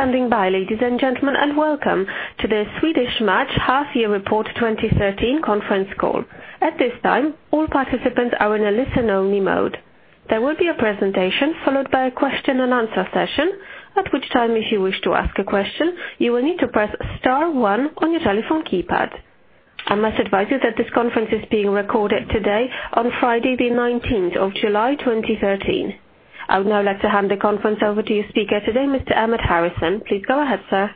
Thank you for standing by, ladies and gentlemen, and welcome to the Swedish Match Half Year Report 2013 conference call. At this time, all participants are in a listen-only mode. There will be a presentation followed by a question and answer session, at which time, if you wish to ask a question, you will need to press star one on your telephone keypad. I must advise you that this conference is being recorded today on Friday the 19th of July, 2013. I would now like to hand the conference over to your speaker today, Mr. Emmett Harrison. Please go ahead, sir.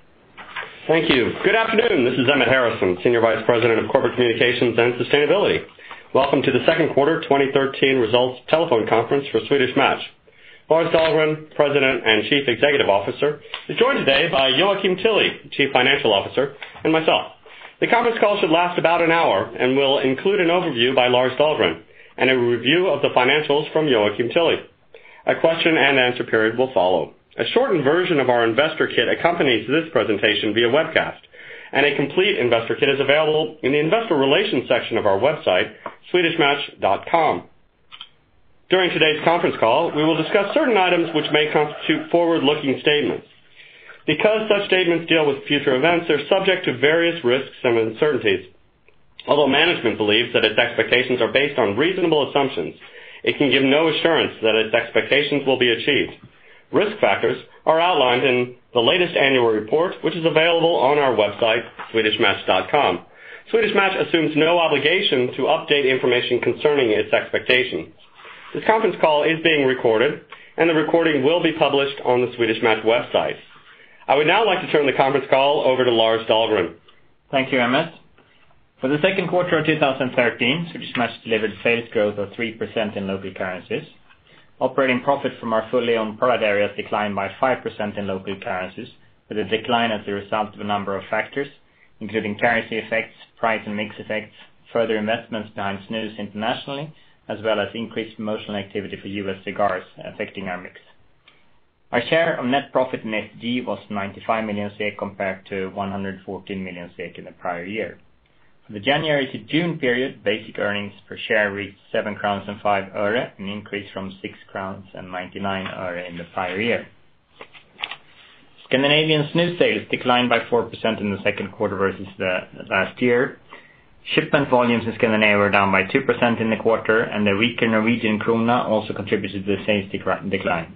Thank you. Good afternoon. This is Emmett Harrison, Senior Vice President of Corporate Communications and Sustainability. Welcome to the second quarter 2013 results telephone conference for Swedish Match. Lars Dahlgren, President and Chief Executive Officer, is joined today by Joakim Tilly, Chief Financial Officer, and myself. The conference call should last about an hour and will include an overview by Lars Dahlgren and a review of the financials from Joakim Tilly. A question and answer period will follow. A shortened version of our investor kit accompanies this presentation via webcast, and a complete investor kit is available in the investor relations section of our website, swedishmatch.com. During today's conference call, we will discuss certain items which may constitute forward-looking statements. Because such statements deal with future events, they're subject to various risks and uncertainties. Although management believes that its expectations are based on reasonable assumptions, it can give no assurance that its expectations will be achieved. Risk factors are outlined in the latest annual report, which is available on our website, swedishmatch.com. Swedish Match assumes no obligation to update information concerning its expectations. This conference call is being recorded, and the recording will be published on the Swedish Match website. I would now like to turn the conference call over to Lars Dahlgren. Thank you, Emmett. For the second quarter of 2013, Swedish Match delivered sales growth of 3% in local currencies. Operating profit from our fully owned product areas declined by 5% in local currencies, with a decline as a result of a number of factors, including currency effects, price and mix effects, further investments behind snus internationally, as well as increased promotional activity for U.S. cigars affecting our mix. Our share of net profit STG was 95 million SEK compared to 114 million SEK in the prior year. For the January to June period, basic earnings per share reached SEK 7.05, an increase from SEK 6.99 in the prior year. Scandinavian snus sales declined by 4% in the second quarter versus the last year. Shipment volumes in Scandinavia were down by 2% in the quarter. The weaker Norwegian krona also contributed to the sales decline.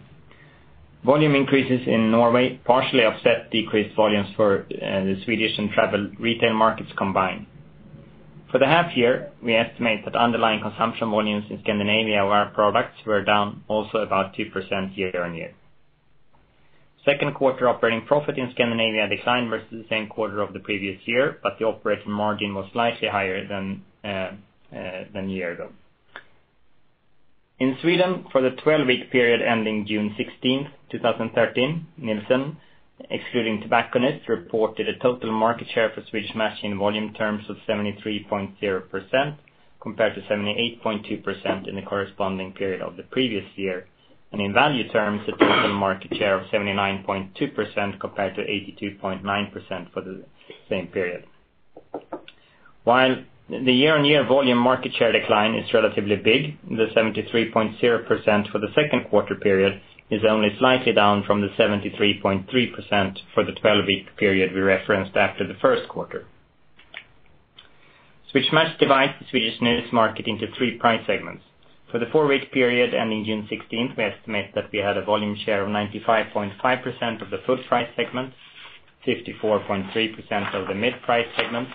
Volume increases in Norway partially offset decreased volumes for the Swedish and travel retail markets combined. For the half year, we estimate that underlying consumption volumes in Scandinavia of our products were down also about 2% year-on-year. Second quarter operating profit in Scandinavia declined versus the same quarter of the previous year, but the operating margin was slightly higher than a year ago. In Sweden for the 12-week period ending June 16th, 2013, Nielsen, excluding tobacconists, reported a total market share for Swedish Match in volume terms of 73.0%, compared to 78.2% in the corresponding period of the previous year. In value terms, a total market share of 79.2% compared to 82.9% for the same period. While the year-on-year volume market share decline is relatively big, the 73.0% for the second quarter period is only slightly down from the 73.3% for the 12-week period we referenced after the first quarter. Swedish Match divides the Swedish snus market into three price segments. For the four-week period ending June 16th, we estimate that we had a volume share of 95.5% of the full price segment, 54.3% of the mid price segment,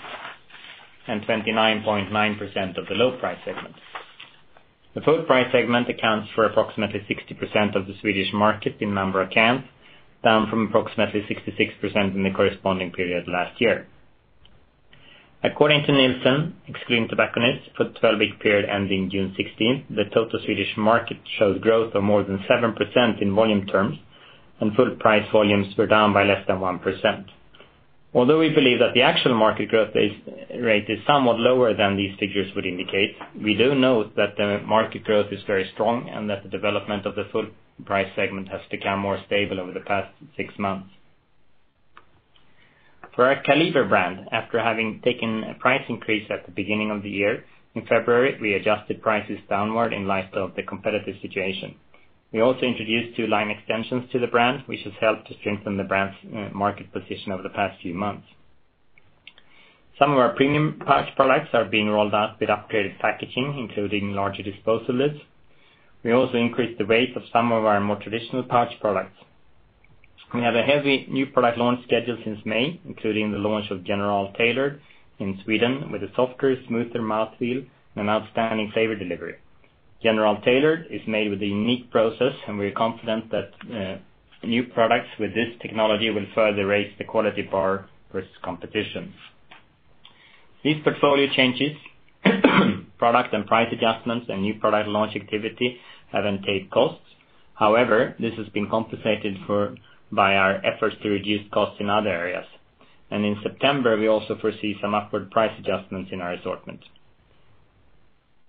and 29.9% of the low price segment. The full price segment accounts for approximately 60% of the Swedish market in number of cans, down from approximately 66% in the corresponding period last year. According to Nielsen, excluding tobacconists, for the 12-week period ending June 16th, the total Swedish market showed growth of more than 7% in volume terms and full price volumes were down by less than 1%. Although we believe that the actual market growth rate is somewhat lower than these figures would indicate, we do note that the market growth is very strong and that the development of the full price segment has become more stable over the past six months. For our Kaliber brand, after having taken a price increase at the beginning of the year, in February, we adjusted prices downward in light of the competitive situation. We also introduced two line extensions to the brand, which has helped to strengthen the brand's market position over the past few months. Some of our premium pouch products are being rolled out with upgraded packaging, including larger disposable lids. We also increased the weight of some of our more traditional pouch products. We have a heavy new product launch schedule since May, including the launch of General Tailored in Sweden with a softer, smoother mouth feel and an outstanding flavor delivery. General Tailored is made with a unique process. We are confident that new products with this technology will further raise the quality bar versus competition. These portfolio changes, product and price adjustments, and new product launch activity have entailed costs. However, this has been compensated for by our efforts to reduce costs in other areas. In September, we also foresee some upward price adjustments in our assortment.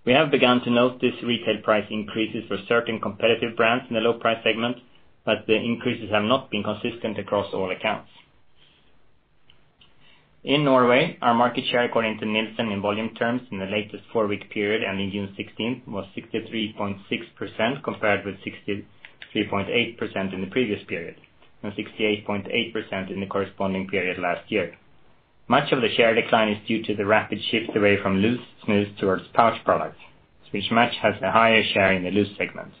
We have begun to note these retail price increases for certain competitive brands in the low price segment, but the increases have not been consistent across all accounts. In Norway, our market share according to Nielsen in volume terms in the latest four-week period ending June 16th was 63.6%, compared with 63.8% in the previous period, and 68.8% in the corresponding period last year. Much of the share decline is due to the rapid shift away from loose snus towards pouch products, Swedish Match has a higher share in the loose segment.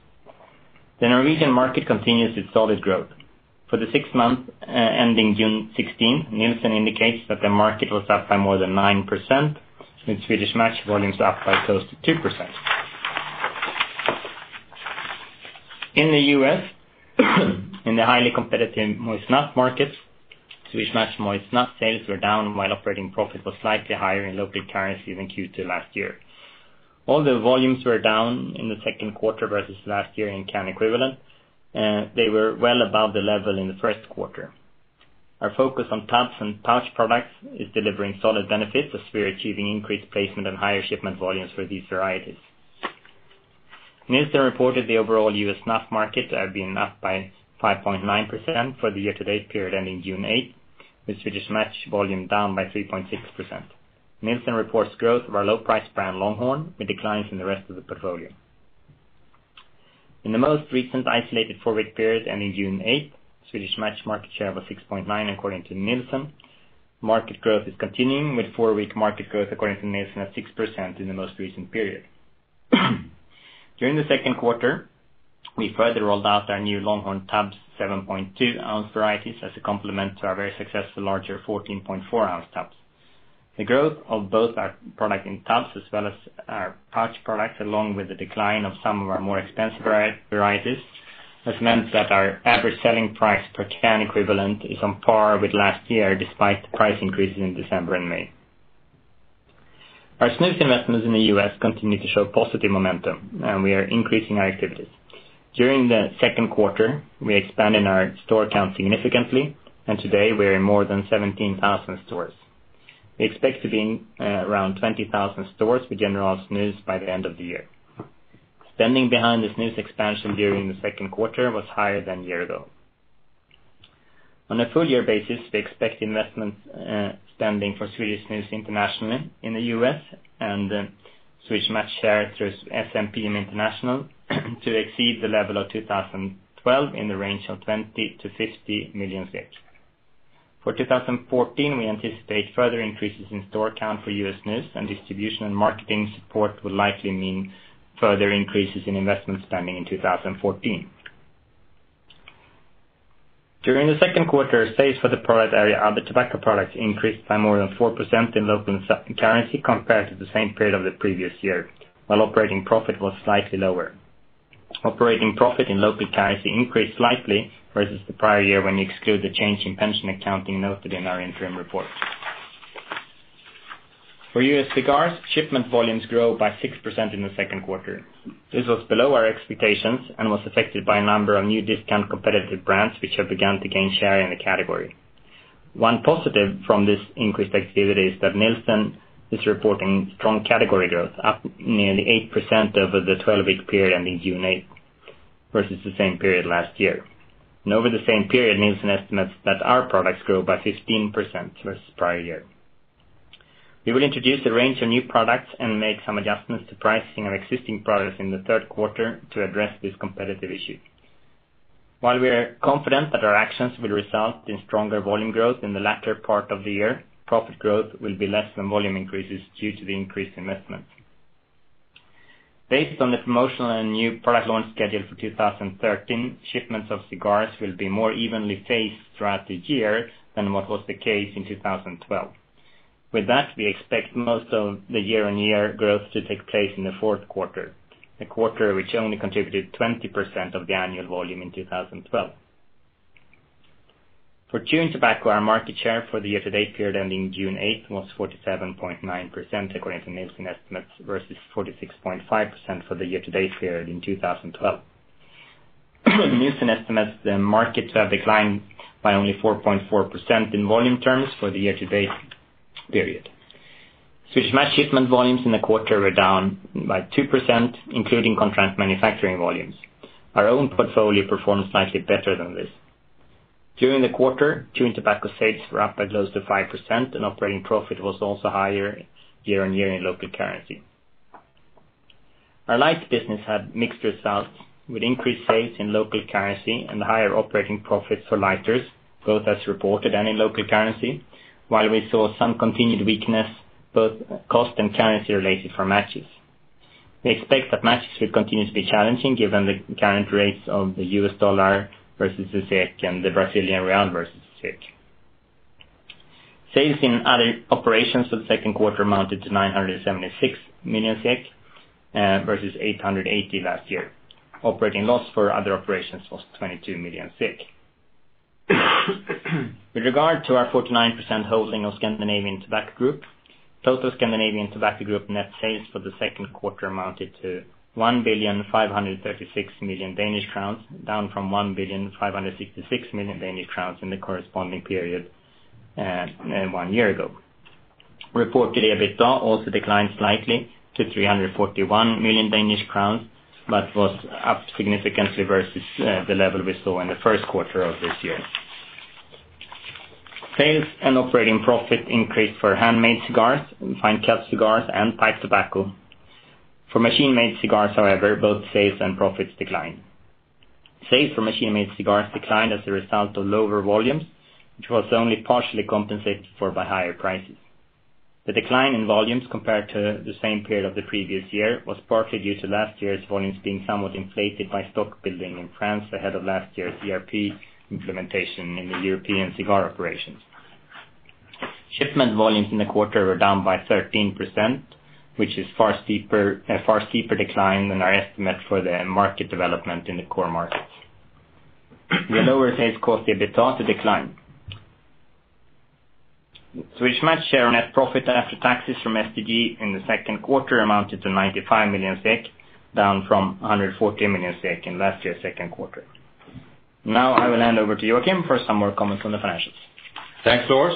The Norwegian market continues its solid growth. For the six months ending June 16, Nielsen indicates that the market was up by more than 9%, with Swedish Match volumes up by close to 2%. In the U.S., in the highly competitive moist snuff market, Swedish Match moist snuff sales were down while operating profit was slightly higher in local currency than Q2 last year. All the volumes were down in the second quarter versus last year in can equivalent, they were well above the level in the first quarter. Our focus on tubs and pouch products is delivering solid benefits as we are achieving increased placement and higher shipment volumes for these varieties. Nielsen reported the overall U.S. snuff market at being up by 5.9% for the year-to-date period ending June 8th, with Swedish Match volume down by 3.6%. Nielsen reports growth of our low-price brand Longhorn, with declines in the rest of the portfolio. In the most recent isolated four-week period ending June 8th, Swedish Match market share was 6.9% according to Nielsen. Market growth is continuing with four-week market growth according to Nielsen of 6% in the most recent period. During the second quarter, we further rolled out our new Longhorn tubs 7.2-ounce varieties as a complement to our very successful larger 14.4-ounce tubs. The growth of both our product in tubs as well as our pouch products, along with the decline of some of our more expensive varieties, has meant that our average selling price per can equivalent is on par with last year, despite the price increases in December and May. Our snus investments in the U.S. continue to show positive momentum, and we are increasing our activities. During the second quarter, we expanded our store count significantly, and today we are in more than 17,000 stores. We expect to be in around 20,000 stores with General Snus by the end of the year. Spending behind the snus expansion during the second quarter was higher than a year ago. On a full-year basis, we expect investment spending for Swedish Snus International in the U.S. and Swedish Match share through SMPM in international to exceed the level of 2012 in the range of 20 million-50 million. For 2014, we anticipate further increases in store count for U.S. snus and distribution and marketing support will likely mean further increases in investment spending in 2014. During the second quarter, sales for the product area other tobacco products increased by more than 4% in local currency compared to the same period of the previous year. While operating profit was slightly lower. Operating profit in local currency increased slightly versus the prior year when you exclude the change in pension accounting noted in our interim report. For U.S. cigars, shipment volumes grew by 6% in the second quarter. This was below our expectations and was affected by a number of new discount competitive brands, which have begun to gain share in the category. One positive from this increased activity is that Nielsen is reporting strong category growth, up nearly 8% over the 12-week period ending June 8th, versus the same period last year. Over the same period, Nielsen estimates that our products grew by 15% versus the prior year. We will introduce a range of new products and make some adjustments to pricing of existing products in the third quarter to address this competitive issue. While we are confident that our actions will result in stronger volume growth in the latter part of the year, profit growth will be less than volume increases due to the increased investment. Based on the promotional and new product launch schedule for 2013, shipments of cigars will be more evenly paced throughout the year than what was the case in 2012. With that, we expect most of the year-on-year growth to take place in the fourth quarter, a quarter which only contributed 20% of the annual volume in 2012. For chewing tobacco, our market share for the year-to-date period ending June 8th was 47.9%, according to Nielsen estimates, versus 46.5% for the year-to-date period in 2012. Nielsen estimates the market to have declined by only 4.4% in volume terms for the year-to-date period. Swedish Match shipment volumes in the quarter were down by 2%, including contract manufacturing volumes. Our own portfolio performed slightly better than this. During the quarter, chewing tobacco sales were up by close to 5% and operating profit was also higher year-on-year in local currency. Our light business had mixed results with increased sales in local currency and higher operating profits for lighters, both as reported and in local currency. While we saw some continued weakness, both cost and currency related from matches. We expect that matches will continue to be challenging given the current rates of the US dollar versus the SEK and the Brazilian real versus the SEK. Sales in other operations for the second quarter amounted to 976 million SEK, versus 880 million last year. Operating loss for other operations was 22 million SEK. With regard to our 49% holding of Scandinavian Tobacco Group, total Scandinavian Tobacco Group net sales for the second quarter amounted to 1,536,000,000 Danish crowns, down from 1,566,000,000 Danish crowns in the corresponding period one year ago. Reported EBITDA also declined slightly to 341 million Danish crowns, but was up significantly versus the level we saw in the first quarter of this year. Sales and operating profit increased for handmade cigars, fine cut cigars, and pipe tobacco. For machine-made cigars, however, both sales and profits declined. Sales for machine-made cigars declined as a result of lower volumes, which was only partially compensated for by higher prices. The decline in volumes compared to the same period of the previous year was partly due to last year's volumes being somewhat inflated by stock building in France ahead of last year's ERP implementation in the European cigar operations. Shipment volumes in the quarter were down by 13%, which is a far steeper decline than our estimate for the market development in the core markets. The lower sales caused the EBITDA to decline. Swedish Match share net profit after taxes from STG in the second quarter amounted to 95 million SEK, down from 114 million SEK in last year's second quarter. I will hand over to Joakim for some more comments on the financials. Thanks, Lars.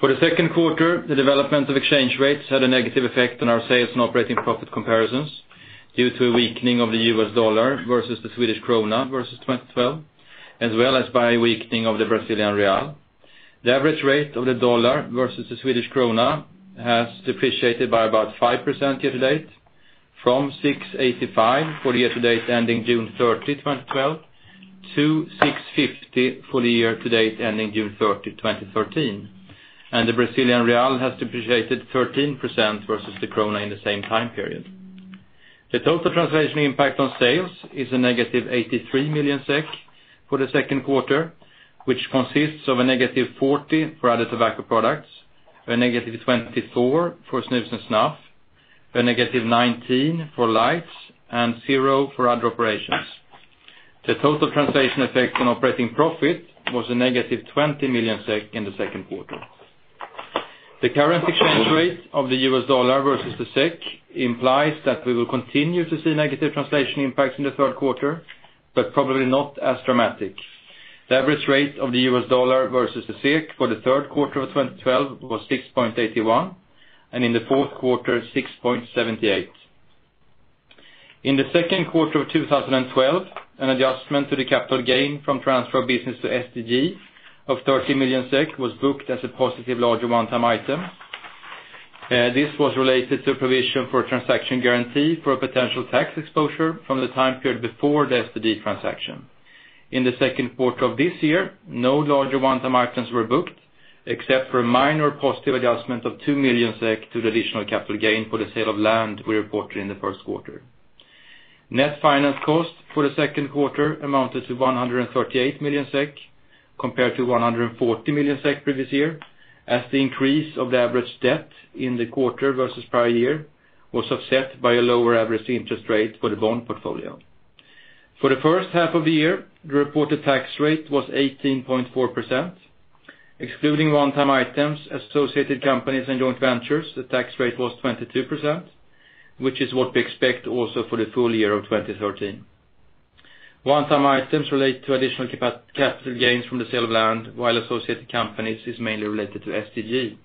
For the second quarter, the development of exchange rates had a negative effect on our sales and operating profit comparisons due to a weakening of the U.S. dollar versus the Swedish krona versus 2012, as well as by a weakening of the Brazilian real. The average rate of the U.S. dollar versus the Swedish krona has depreciated by about 5% year-to-date, from 6.85 for the year-to-date ending June 30, 2012, to 6.50 for the year-to-date ending June 30, 2013. The Brazilian real has depreciated 13% versus the krona in the same time period. The total translation impact on sales is a negative 83 million SEK for the second quarter, which consists of a negative 40 for other tobacco products, a negative 24 for snus and snuff, a negative 19 for lights, and zero for other operations. The total translation effect on operating profit was a negative 20 million SEK in the second quarter. The current exchange rate of the U.S. dollar versus the SEK implies that we will continue to see negative translation impacts in the third quarter, but probably not as dramatic. The average rate of the U.S. dollar versus the SEK for the third quarter of 2012 was 6.81, and in the fourth quarter, 6.78. In the second quarter of 2012, an adjustment to the capital gain from transfer of business to STG of 30 million SEK was booked as a positive larger one-time item. This was related to a provision for a transaction guarantee for a potential tax exposure from the time period before the STG transaction. In the second quarter of this year, no larger one-time items were booked, except for a minor positive adjustment of two million SEK to the additional capital gain for the sale of land we reported in the first quarter. Net finance cost for the second quarter amounted to 138 million SEK, compared to 140 million SEK previous year, as the increase of the average debt in the quarter versus prior year was offset by a lower average interest rate for the bond portfolio. For the first half of the year, the reported tax rate was 18.4%. Excluding one-time items, associated companies and joint ventures, the tax rate was 22%, which is what we expect also for the full year of 2013. One-time items relate to additional capital gains from the sale of land, while associated companies is mainly related to STG.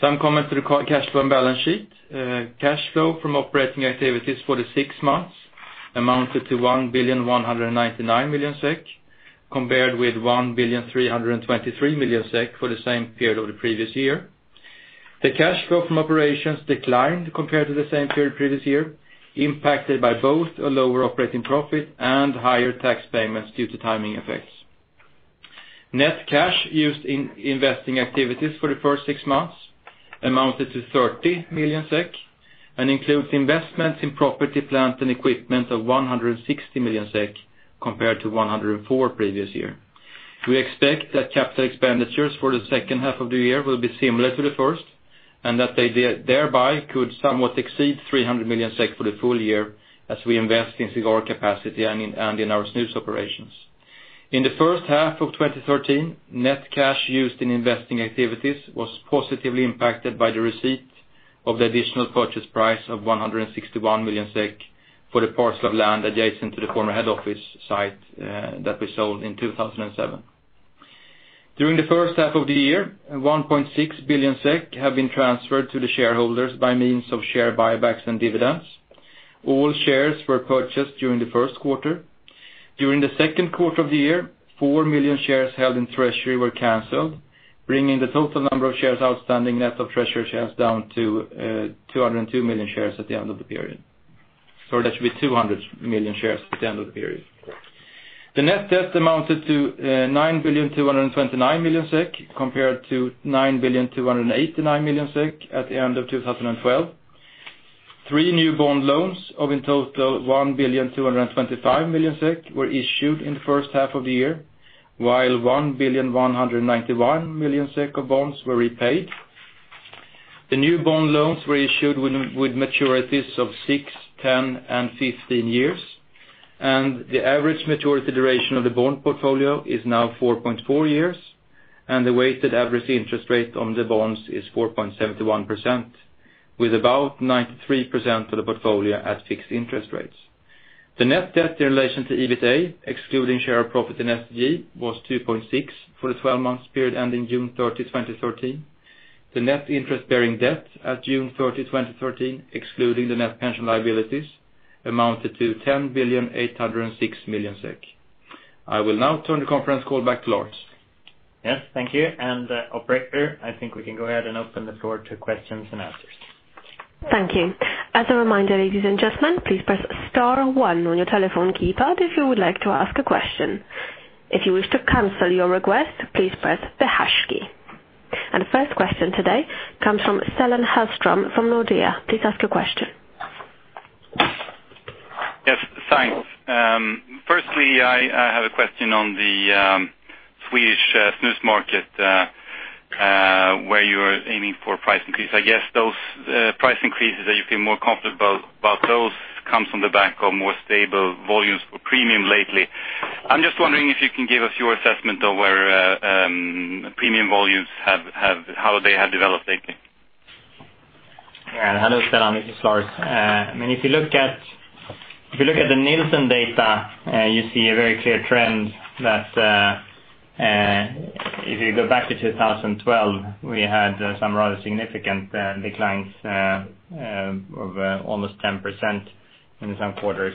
Some comment to the cash flow and balance sheet. Cash flow from operating activities for the six months amounted to 1.199 billion SEK, compared with 1.323 billion SEK for the same period of the previous year. The cash flow from operations declined compared to the same period previous year, impacted by both a lower operating profit and higher tax payments due to timing effects. Net cash used in investing activities for the first six months amounted to 30 million SEK and includes investments in property, plant, and equipment of 160 million SEK compared to 104 million previous year. We expect that capital expenditures for the second half of the year will be similar to the first, and that they thereby could somewhat exceed 300 million SEK for the full year as we invest in cigar capacity and in our snus operations. In the first half of 2013, net cash used in investing activities was positively impacted by the receipt of the additional purchase price of 161 million SEK for the parcel of land adjacent to the former head office site that we sold in 2007. During the first half of the year, 1.6 billion SEK have been transferred to the shareholders by means of share buybacks and dividends. All shares were purchased during the first quarter. During the second quarter of the year, 4 million shares held in treasury were canceled, bringing the total number of shares outstanding net of treasury shares down to 202 million shares at the end of the period. Sorry, that should be 200 million shares at the end of the period. The net debt amounted to 9.229 billion SEK, compared to 9.289 billion SEK at the end of 2012. Three new bond loans of in total 1.225 billion SEK were issued in the first half of the year, while 1.191 billion SEK of bonds were repaid. The new bond loans were issued with maturities of six, 10, and 15 years, and the average maturity duration of the bond portfolio is now 4.4 years, and the weighted average interest rate on the bonds is 4.71%, with about 93% of the portfolio at fixed interest rates. The net debt in relation to EBITDA, excluding share of profit in STG, was 2.6 for the 12-month period ending June 30, 2013. The net interest-bearing debt at June 30, 2013, excluding the net pension liabilities, amounted to 10 billion, 806 million. I will now turn the conference call back to Lars. Yes, thank you. Operator, I think we can go ahead and open the floor to questions and answers. Thank you. As a reminder, ladies and gentlemen, please press star one on your telephone keypad if you would like to ask a question. If you wish to cancel your request, please press the hash key. First question today comes from Stellan Hellström from Nordea. Please ask your question. Yes, thanks. Firstly, I have a question on the Swedish snus market, where you're aiming for a price increase. I guess those price increases that you feel more comfortable about those comes from the back of more stable volumes for premium lately. I'm just wondering if you can give us your assessment of where premium volumes, how they have developed lately. Yeah. Hello, Stellan. This is Lars. If you look at the Nielsen data, you see a very clear trend that, if you go back to 2012, we had some rather significant declines of almost 10% in some quarters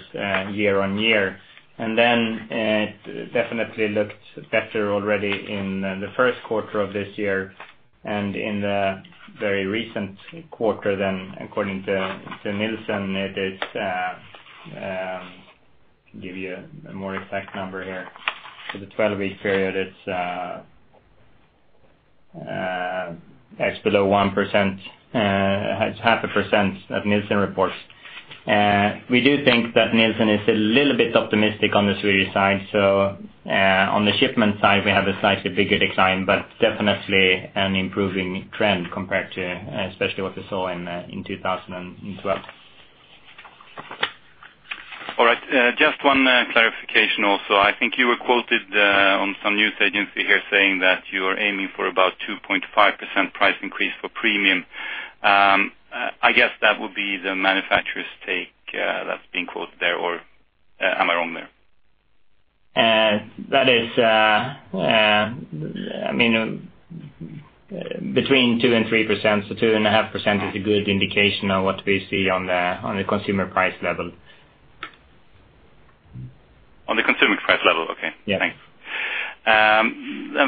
year-on-year. Then it definitely looked better already in the first quarter of this year and in the very recent quarter than according to Nielsen, it's, give you a more exact number here. For the 12-week period, it's below 1%, it's half a percent that Nielsen reports. We do think that Nielsen is a little bit optimistic on the Swedish side. So on the shipment side, we have a slightly bigger decline, but definitely an improving trend compared to especially what we saw in 2012. All right. Just one clarification also. I think you were quoted on some news agency here saying that you're aiming for about 2.5% price increase for premium. I guess that would be the manufacturer's take that's being quoted there, or am I wrong there? That is between 2% and 3%, so 2.5% is a good indication of what we see on the consumer price level. On the consumer price level? Okay. Yeah. Thanks.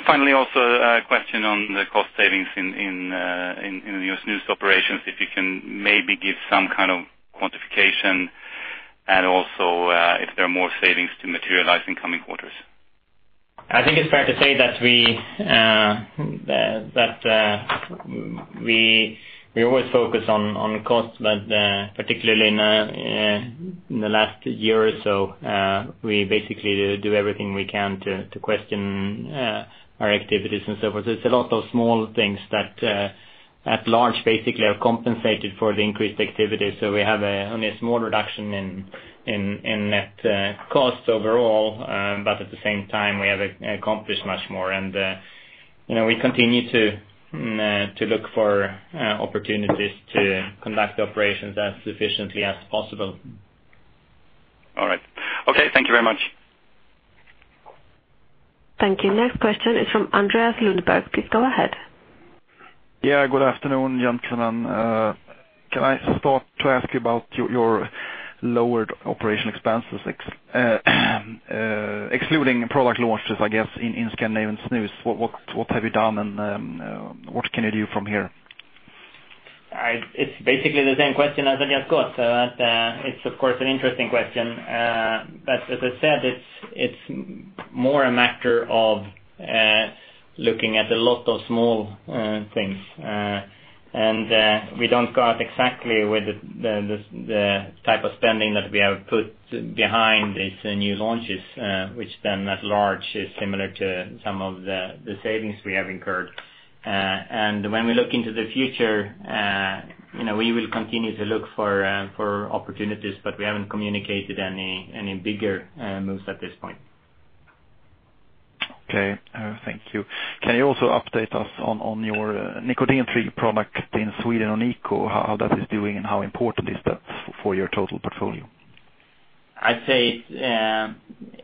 Finally, also a question on the cost savings in your snus operations. If you can maybe give some kind of quantification and also if there are more savings to materialize in coming quarters. I think it's fair to say that we always focus on costs, particularly in the last year or so, we basically do everything we can to question our activities and so forth. It's a lot of small things that at large, basically are compensated for the increased activity. We have only a small reduction in net costs overall. At the same time, we have accomplished much more. We continue to look for opportunities to conduct operations as efficiently as possible. All right. Okay, thank you very much. Thank you. Next question is from Andreas Lundberg. Please go ahead. Yeah, good afternoon, gentlemen. Can I start to ask you about your lowered operational expenses? Excluding product launches, I guess, in Scandinavian snus. What have you done and what can you do from here? It's basically the same question as I just got. It's of course an interesting question. As I said, it's more a matter of looking at a lot of small things. We don't go out exactly with the type of spending that we have put behind these new launches, which then at large is similar to some of the savings we have incurred. When we look into the future, we will continue to look for opportunities, but we haven't communicated any bigger moves at this point. Okay. Thank you. Can you also update us on your nicotine-free product in Sweden, Onico, how that is doing and how important is that for your total portfolio? I'd say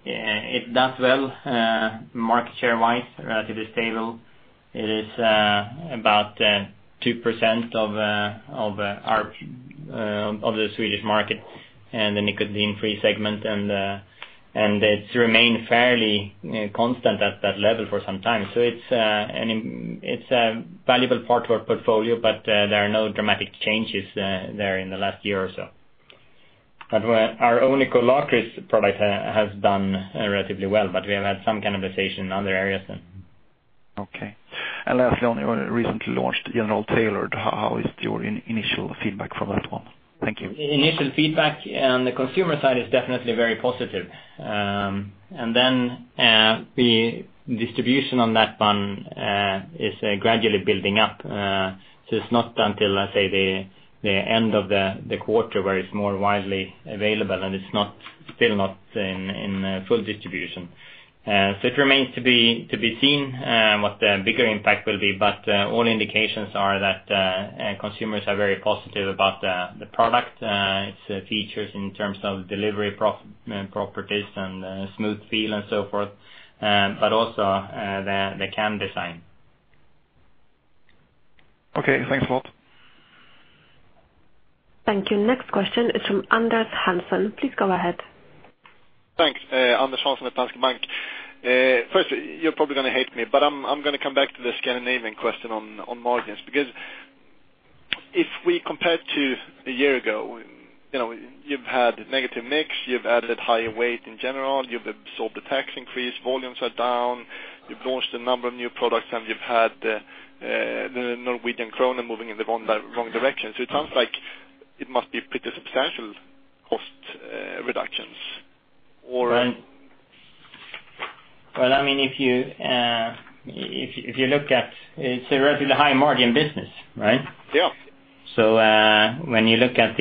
it does well, market share-wise, relatively stable. It is about 2% of the Swedish market in the nicotine-free segment. It's remained fairly constant at that level for some time. It's a valuable part to our portfolio, but there are no dramatic changes there in the last year or so. Our Onico Lakrits product has done relatively well, but we have had some cannibalization in other areas then. Okay. Lastly, on your recently launched General Tailored, how is your initial feedback from that one? Thank you. Initial feedback on the consumer side is definitely very positive. The distribution on that one is gradually building up. It's not until, let's say, the end of the quarter where it's more widely available, and it's still not in full distribution. It remains to be seen what the bigger impact will be, but all indications are that consumers are very positive about the product, its features in terms of delivery properties and smooth feel and so forth, but also the can design. Okay, thanks a lot. Thank you. Next question is from Anders Hansson. Please go ahead. Thanks. Anders Hansson, Swedbank. First, you're probably going to hate me, but I'm going to come back to the Scandinavian question on margins. If we compare to a year ago, you've had negative mix, you've added higher weight in General, you've absorbed the tax increase, volumes are down, you've launched a number of new products, and you've had the Norwegian krone moving in the wrong direction. It sounds like it must be pretty substantial cost reductions. It's a relatively high margin business, right? Yeah. When you look at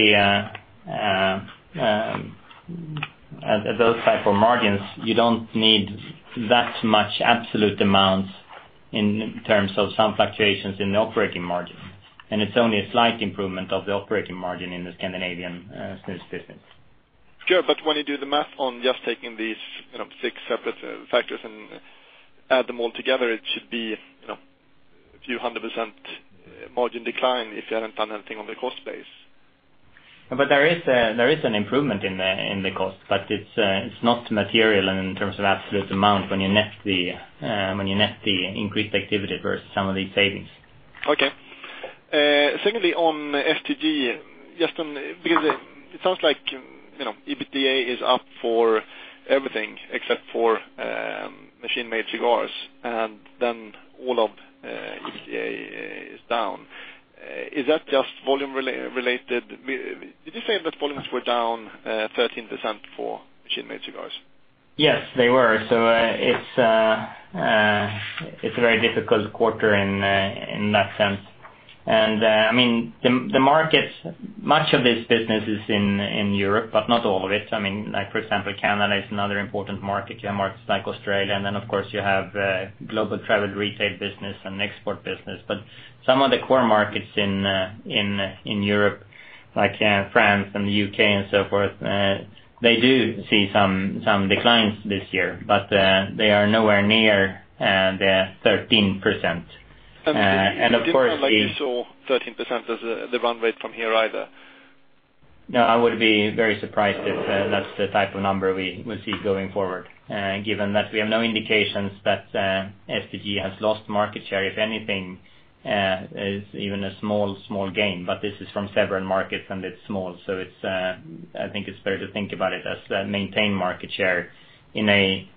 those type of margins, you don't need that much absolute amount in terms of some fluctuations in the operating margin. It's only a slight improvement of the operating margin in the Scandinavian snus business. Sure. When you do the math on just taking these six separate factors and add them all together, it should be a few 100% margin decline if you haven't done anything on the cost base. There is an improvement in the cost, but it's not material in terms of absolute amount when you net the increased activity versus some of these savings. Okay. Secondly, on STG, it sounds like EBITDA is up for everything except for machine-made cigars, and then all of EBITDA is down. Is that just volume-related? Did you say that volumes were down 13% for machine-made cigars? Yes, they were. It's a very difficult quarter in that sense. Much of this business is in Europe, but not all of it. For example, Canada is another important market. You have markets like Australia, of course you have global travel retail business and export business. Some of the core markets in Europe, like France and the U.K. and so forth, they do see some declines this year, but they are nowhere near the 13%. Of course if- It didn't sound like you saw 13% as the run rate from here either. No, I would be very surprised if that's the type of number we will see going forward, given that we have no indications that STG has lost market share. If anything, it's even a small gain. This is from several markets, and it's small. I think it's fair to think about it as maintained market share in a market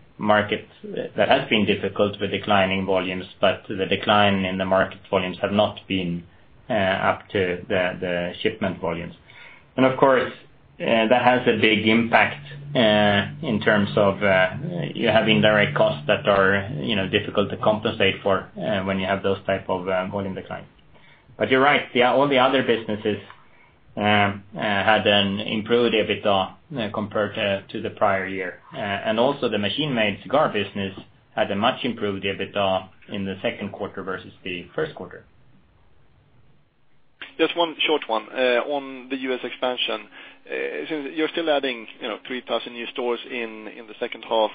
that has been difficult with declining volumes, but the decline in the market volumes have not been up to the shipment volumes. Of course, that has a big impact in terms of you have indirect costs that are difficult to compensate for when you have those type of volume declines. You're right. All the other businesses had an improved EBITDA compared to the prior year. Also the machine-made cigar business had a much improved EBITDA in the second quarter versus the first quarter. Just one short one on the U.S. expansion. You're still adding 3,000 new stores in the second half,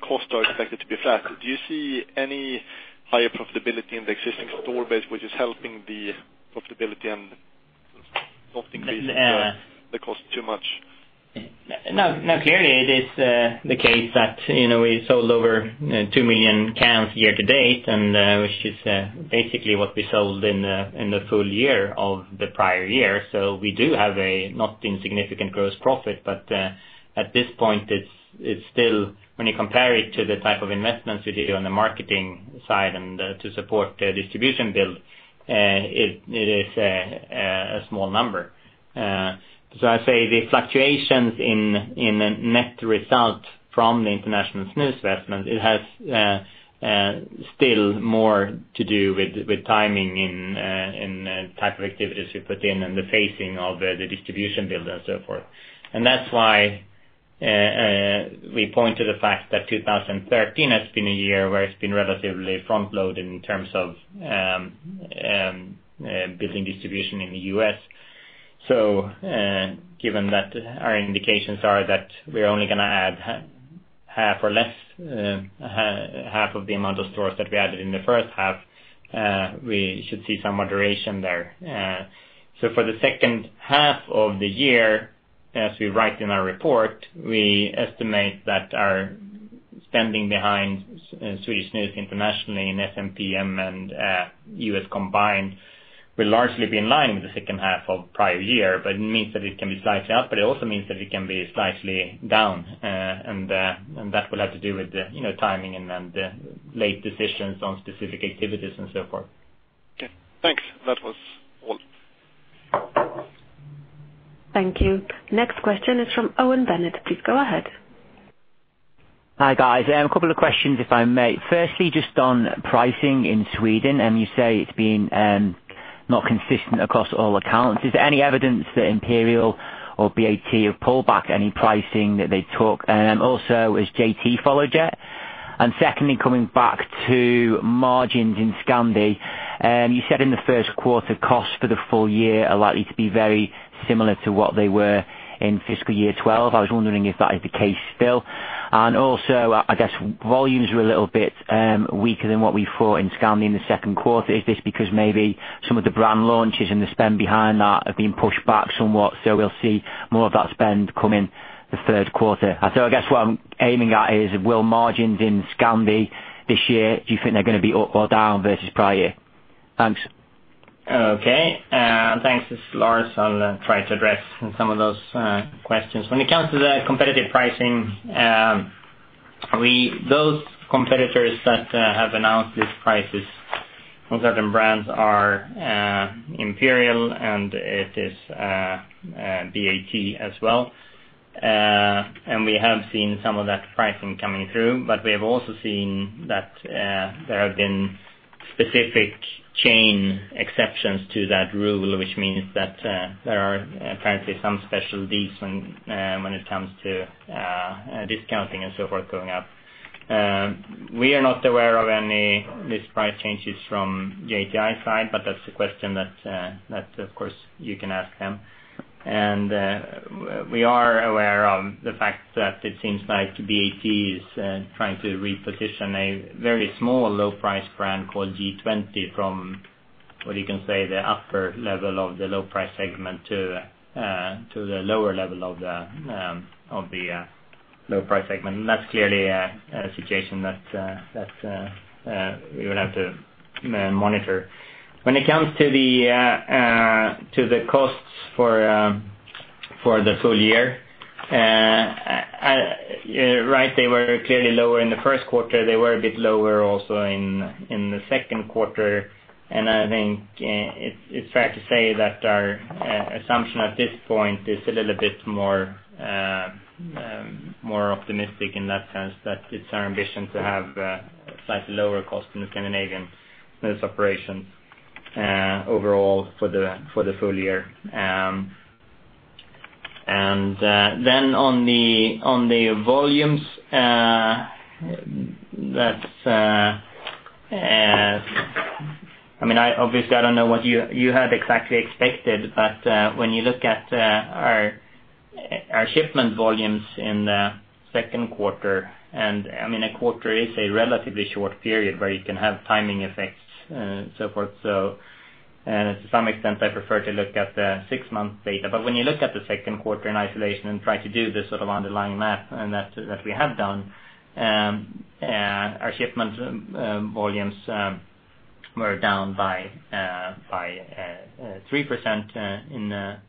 costs are expected to be flat. Do you see any higher profitability in the existing store base, which is helping the profitability and not increasing the cost too much? Clearly it is the case that we sold over 2 million cans year to date, which is basically what we sold in the full year of the prior year. We do have a not insignificant gross profit, but at this point, when you compare it to the type of investments we do on the marketing side and to support the distribution build, it is a small number. I say the fluctuations in net result from the international snus investment, it has still more to do with timing and type of activities we put in and the phasing of the distribution build and so forth. That's why we point to the fact that 2013 has been a year where it's been relatively front-loaded in terms of building distribution in the U.S. Given that our indications are that we're only going to add half of the amount of stores that we added in the first half, we should see some moderation there. For the second half of the year, as we write in our report, we estimate that our spending behind Swedish Snus International in SMPM and U.S. combined will largely be in line with the second half of prior year. It means that it can be slightly up, it also means that it can be slightly down. That will have to do with the timing and the late decisions on specific activities and so forth. Okay, thanks. That was all. Thank you. Next question is from Owen Bennett. Please go ahead. Hi, guys. A couple of questions, if I may. Firstly, just on pricing in Sweden, you say it's been not consistent across all accounts. Is there any evidence that Imperial or BAT have pulled back any pricing that they took? Has JT followed yet? Secondly, coming back to margins in Scandi. You said in the first quarter, costs for the full year are likely to be very similar to what they were in fiscal year 2012. I was wondering if that is the case still. Also, I guess volumes were a little bit weaker than what we thought in Scandi in the second quarter. Is this because maybe some of the brand launches and the spend behind that have been pushed back somewhat, so we'll see more of that spend come in the third quarter? I guess what I'm aiming at is, will margins in Scandi this year, do you think they're going to be up or down versus prior? Thanks. Okay. Thanks. This is Lars. I'll try to address some of those questions. When it comes to the competitive pricing, those competitors that have announced these prices on certain brands are Imperial, and it is BAT as well. We have seen some of that pricing coming through, but we have also seen that there have been specific chain exceptions to that rule, which means that there are apparently some special deals when it comes to discounting and so forth going up. We are not aware of any list price changes from JTI's side, but that's a question that, of course, you can ask them. We are aware of the fact that it seems like BAT is trying to reposition a very small low-price brand called G20 from, what you can say, the upper level of the low price segment to the lower level of the low price segment. That's clearly a situation that we would have to monitor. When it comes to the costs for the full year. You're right, they were clearly lower in the first quarter. They were a bit lower also in the second quarter. I think it's fair to say that our assumption at this point is a little bit more optimistic in that sense, that it's our ambition to have a slightly lower cost in the Scandinavian operations overall for the full year. Then on the volumes, obviously I don't know what you had exactly expected, but when you look at our shipment volumes in the second quarter, and a quarter is a relatively short period where you can have timing effects and so forth. To some extent, I prefer to look at the six-month data. When you look at the second quarter in isolation and try to do this sort of underlying math, and that we have done, our shipment volumes were down by 3%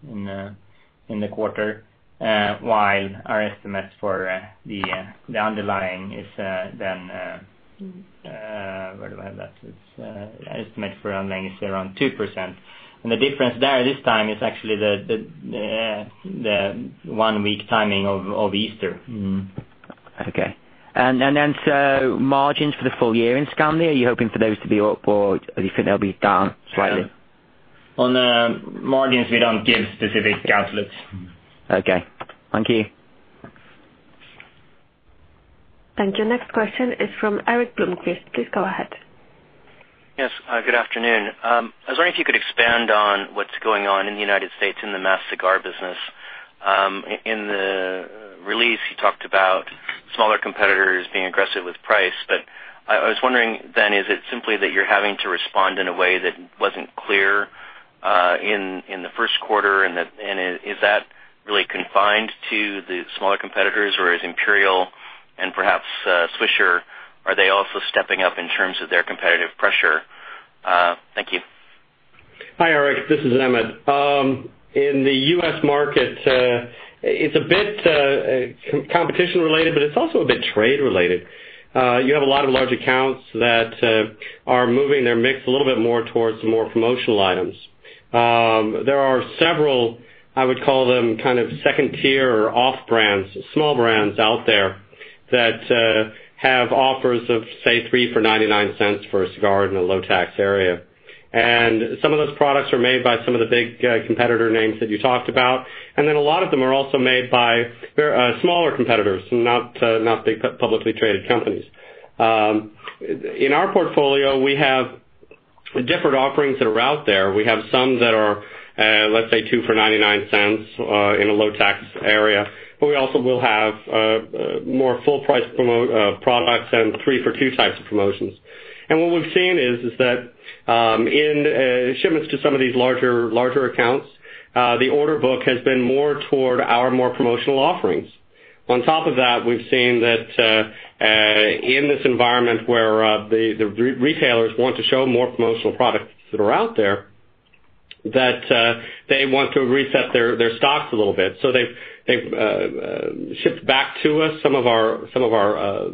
in the quarter, while our estimate for the underlying is then Where do I have that? Its estimate for underlying is around 2%. The difference there this time is actually the one week timing of Easter. Okay. Margins for the full year in Scandi, are you hoping for those to be up, or do you think they'll be down slightly? On margins, we don't give specific guidance. Okay. Thank you. Your next question is from Erik Bloomquist. Please go ahead. Yes. Good afternoon. I was wondering if you could expand on what's going on in the U.S. in the mass cigar business. In the release, you talked about smaller competitors being aggressive with price, but I was wondering then, is it simply that you're having to respond in a way that wasn't clear in the first quarter, and is that really confined to the smaller competitors, or is Imperial and perhaps Swisher, are they also stepping up in terms of their competitive pressure? Thank you. Hi, Erik. This is Emmett. In the U.S. market, it's a bit competition related, but it's also a bit trade related. You have a lot of large accounts that are moving their mix a little bit more towards more promotional items. There are several, I would call them kind of second tier or off brands, small brands out there that have offers of, say, three for $0.99 for a cigar in a low tax area. Some of those products are made by some of the big competitor names that you talked about. Then a lot of them are also made by smaller competitors, not big publicly traded companies. In our portfolio, we have different offerings that are out there. We have some that are, let's say, two for $0.99 in a low tax area, but we also will have more full price products and three for two types of promotions. What we've seen is that in shipments to some of these larger accounts, the order book has been more toward our more promotional offerings. On top of that, we've seen that in this environment where the retailers want to show more promotional products that are out there, that they want to reset their stocks a little bit. They've shipped back to us some of our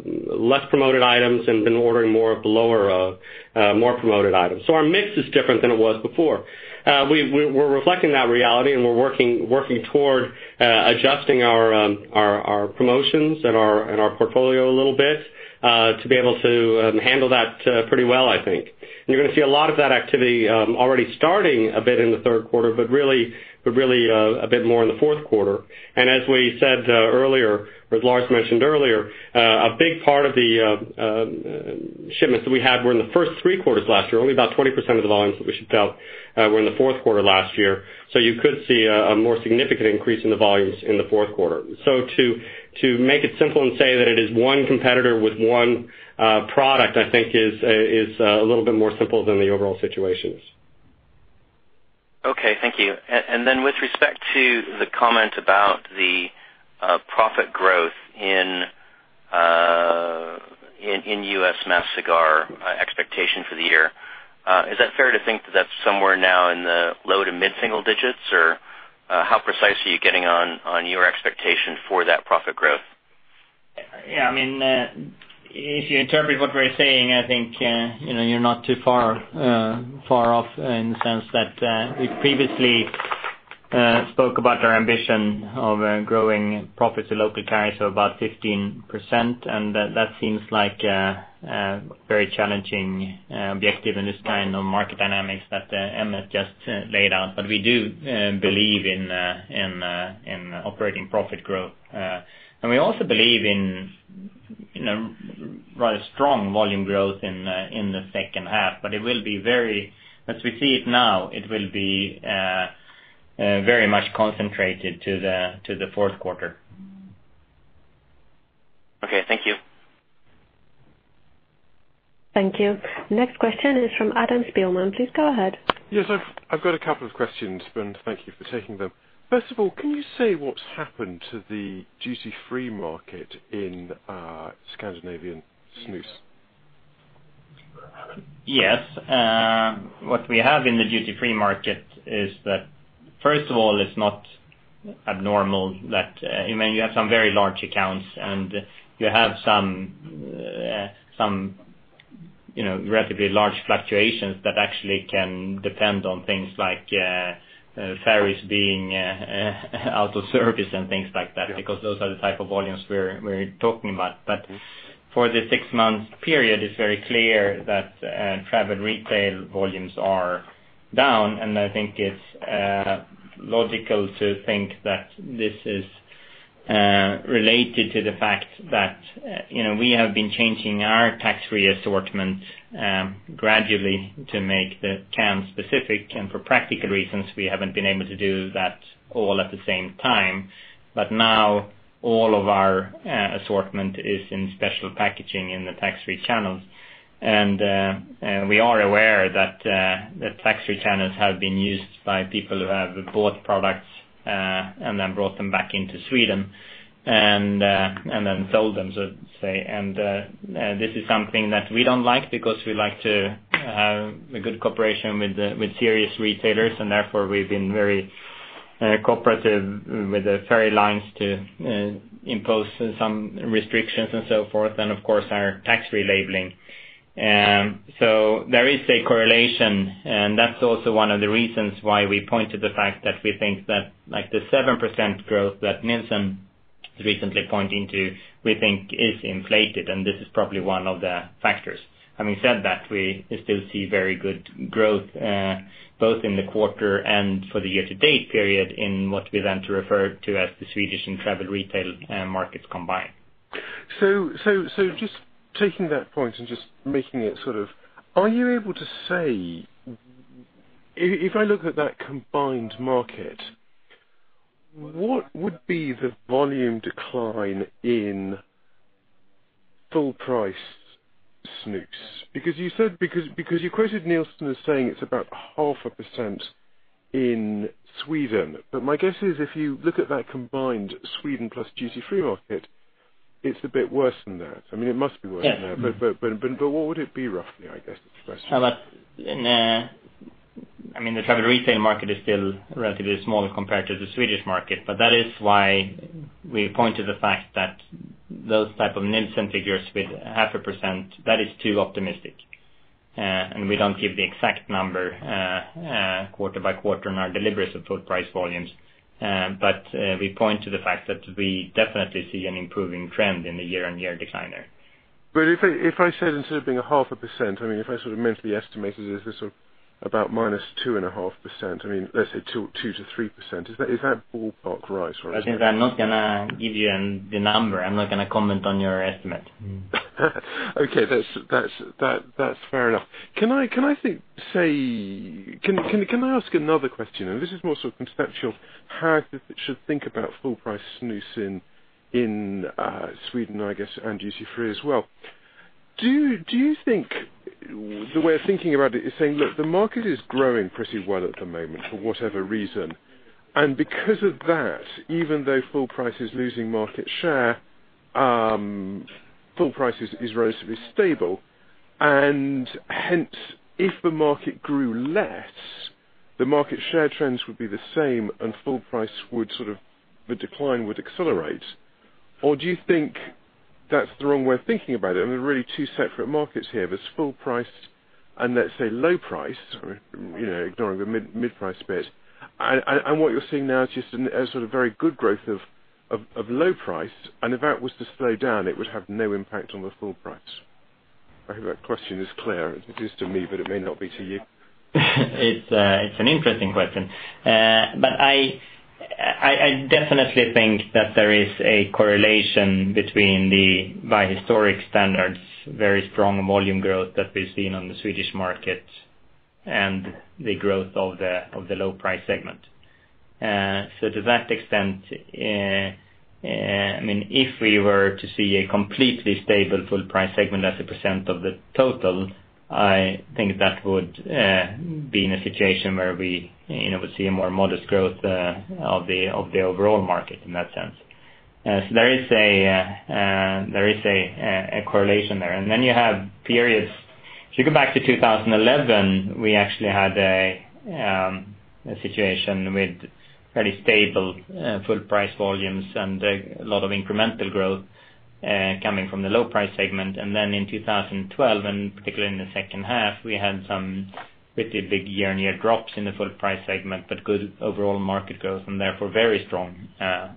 less promoted items and been ordering more of the lower, more promoted items. Our mix is different than it was before. We're reflecting that reality, and we're working toward adjusting our promotions and our portfolio a little bit, to be able to handle that pretty well, I think. You're going to see a lot of that activity already starting a bit in the third quarter, but really a bit more in the fourth quarter. As we said earlier, or as Lars mentioned earlier, a big part of the shipments that we had were in the first three quarters last year. Only about 20% of the volumes that we shipped out were in the fourth quarter last year. You could see a more significant increase in the volumes in the fourth quarter. To make it simple and say that it is one competitor with one product, I think, is a little bit more simple than the overall situations. Okay, thank you. Then with respect to the comment about the profit growth in US Mass Cigar expectation for the year, is that fair to think that's somewhere now in the low to mid-single digits? How precise are you getting on your expectation for that profit growth? Yeah. If you interpret what we're saying, I think, you're not too far off in the sense that we previously spoke about our ambition of growing profits to local currency of about 15%, that seems like a very challenging objective in this kind of market dynamics that Emmett just laid out. We do believe in operating profit growth. We also believe in a rather strong volume growth in the second half. As we see it now, it will be very much concentrated to the fourth quarter. Okay, thank you. Thank you. Next question is from Adam Spielman. Please go ahead. Yes, I've got a couple of questions, and thank you for taking them. First of all, can you say what's happened to the duty-free market in Scandinavian snus? Yes. What we have in the duty-free market is that, first of all, it's not abnormal that you have some very large accounts and you have some relatively large fluctuations that actually can depend on things like ferries being out of service and things like that, because those are the type of volumes we're talking about. For the six-month period, it's very clear that travel retail volumes are down, I think it's logical to think that this is related to the fact that we have been changing our tax-free assortment gradually to make the can specific, for practical reasons, we haven't been able to do that all at the same time. Now all of our assortment is in special packaging in the tax-free channels. We are aware that the tax-free channels have been used by people who have bought products and then brought them back into Sweden, then sold them, so to say. This is something that we don't like because we like to have a good cooperation with serious retailers, therefore, we've been very cooperative with the ferry lines to impose some restrictions and so forth, of course, our tax-free labeling. There is a correlation, that's also one of the reasons why we point to the fact that we think that the 7% growth that Nielsen is recently pointing to, we think is inflated, this is probably one of the factors. Having said that, we still see very good growth both in the quarter and for the year-to-date period in what we then refer to as the Swedish and travel retail markets combined. Just taking that point and just making it, are you able to say, if I look at that combined market, what would be the volume decline in full price snus? Because you quoted Nielsen as saying it's about 0.5% in Sweden. My guess is if you look at that combined Sweden plus duty-free market, it's a bit worse than that. It must be worse than that. Yeah. What would it be, roughly? I guess it's the question. The travel retail market is still relatively small compared to the Swedish market, but that is why we point to the fact that those type of Nielsen figures with 0.5%, that is too optimistic. We don't give the exact number quarter by quarter on our deliveries of full price volumes. We point to the fact that we definitely see an improving trend in the year-on-year decline there. If I said instead of being a 0.5%, if I mentally estimated is this about minus 2.5%, let's say 2%-3%, is that ballpark right? I'm not going to give you the number. I'm not going to comment on your estimate. Okay. That's fair enough. Can I ask another question? This is more so conceptual, how should think about full price snus in Sweden, I guess, and duty-free as well. Do you think the way of thinking about it is saying, look, the market is growing pretty well at the moment, for whatever reason, and because of that, even though full price is losing market share, full price is relatively stable, and hence, if the market grew less, the market share trends would be the same and full price the decline would accelerate. Do you think that's the wrong way of thinking about it and they're really two separate markets here? There's full price and let's say low price, ignoring the mid price bit, and what you're seeing now is just a very good growth of low price, and if that was to slow down, it would have no impact on the full price. I hope that question is clear. It is to me, but it may not be to you. It's an interesting question. I definitely think that there is a correlation between the, by historic standards, very strong volume growth that we've seen on the Swedish market and the growth of the low price segment. To that extent, if we were to see a completely stable full price segment as a % of the total, I think that would be in a situation where we would see a more modest growth of the overall market in that sense. There is a correlation there. Then you have periods, if you go back to 2011, we actually had a situation with fairly stable full price volumes and a lot of incremental growth coming from the low price segment. In 2012, particularly in the second half, we had some pretty big year-on-year drops in the full price segment, but good overall market growth and therefore very strong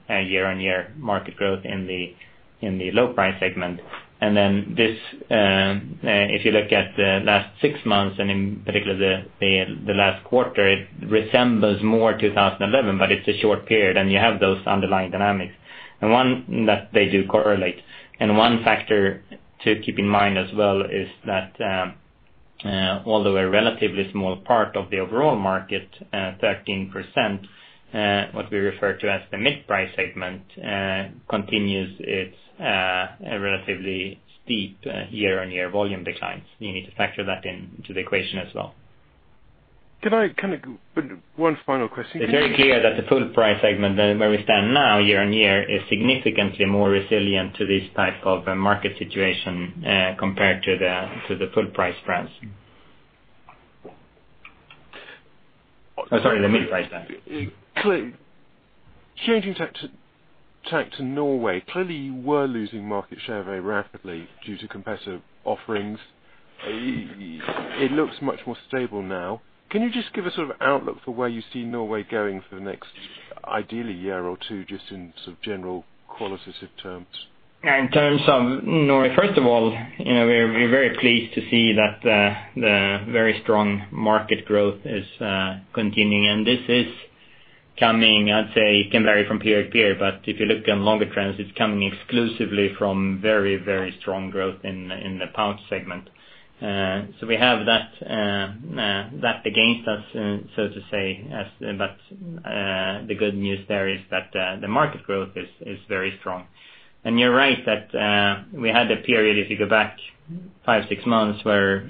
year-on-year market growth in the low price segment. If you look at the last 6 months and in particular the last quarter, it resembles more 2011, but it's a short period, and you have those underlying dynamics. One, that they do correlate, and one factor to keep in mind as well is that although a relatively small part of the overall market, 13%, what we refer to as the mid-price segment continues its relatively steep year-on-year volume declines. You need to factor that into the equation as well. Can I, one final question. It's very clear that the full price segment where we stand now year-on-year is significantly more resilient to this type of market situation compared to the full price brands. Oh, sorry, the mid-price segment. Changing tack to Norway. Clearly, you were losing market share very rapidly due to competitive offerings. It looks much more stable now. Can you just give a sort of outlook for where you see Norway going for the next, ideally, year or two, just in sort of general qualitative terms? In terms of Norway, first of all, we're very pleased to see that the very strong market growth is continuing. This is coming, I'd say it can vary from period to period, but if you look at longer trends, it's coming exclusively from very strong growth in the pouch segment. We have that against us, so to say, but the good news there is that the market growth is very strong. You're right that we had a period, if you go back five, six months, where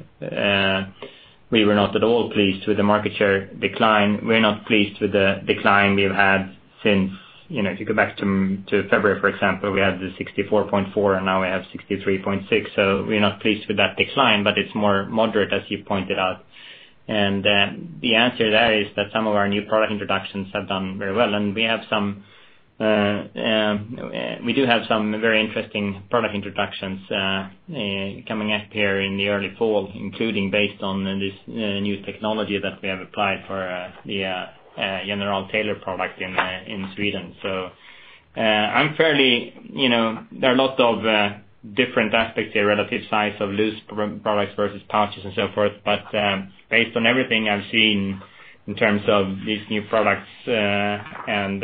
we were not at all pleased with the market share decline. We're not pleased with the decline we've had since, if you go back to February, for example, we had the 64.4% and now we have 63.6%. We're not pleased with that decline, but it's more moderate, as you pointed out. The answer to that is that some of our new product introductions have done very well. We do have some very interesting product introductions coming up here in the early fall, including based on this new technology that we have applied for the General Tailored product in Sweden. There are lots of different aspects here, relative size of loose products versus pouches and so forth. Based on everything I've seen in terms of these new products, and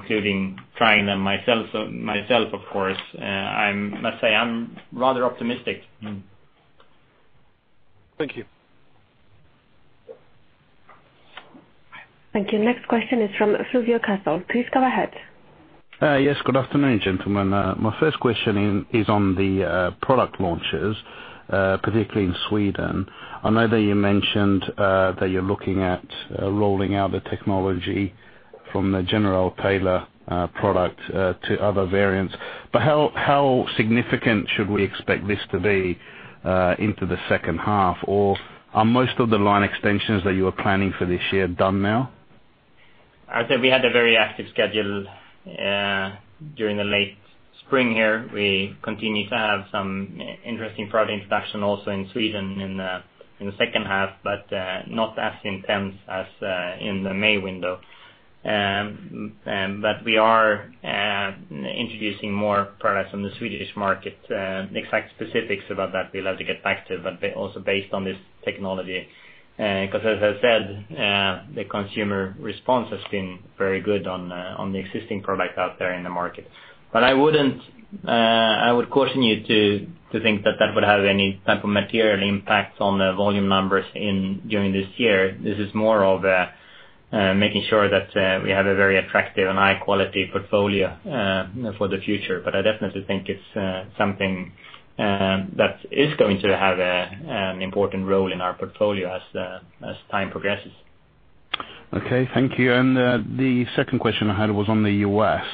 including trying them myself, of course, I must say I'm rather optimistic. Thank you. Thank you. Next question is from Fulvio Cazzol. Please go ahead. Yes, good afternoon, gentlemen. My first question is on the product launches, particularly in Sweden. I know that you mentioned that you're looking at rolling out the technology from the General Tailored product to other variants. How significant should we expect this to be into the second half? Are most of the line extensions that you are planning for this year done now? I'd say we had a very active schedule during the late spring here. We continue to have some interesting product introduction also in Sweden in the second half, but not as intense as in the May window. We are introducing more products on the Swedish market. The exact specifics about that we'll have to get back to, but also based on this technology, because as I said, the consumer response has been very good on the existing product out there in the market. I would caution you to think that that would have any type of material impact on the volume numbers during this year. This is more of making sure that we have a very attractive and high-quality portfolio for the future. I definitely think it's something that is going to have an important role in our portfolio as time progresses. Okay, thank you. The second question I had was on the U.S.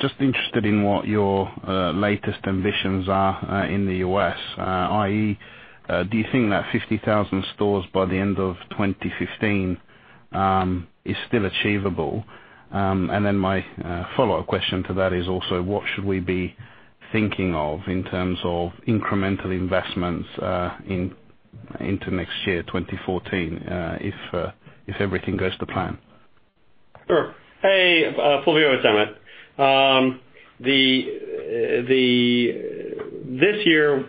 Just interested in what your latest ambitions are in the U.S., i.e., do you think that 50,000 stores by the end of 2015 is still achievable? My follow-up question to that is also what should we be thinking of in terms of incremental investments into next year, 2014, if everything goes to plan? Sure. Hey, Fulvio, it's Emmett. This year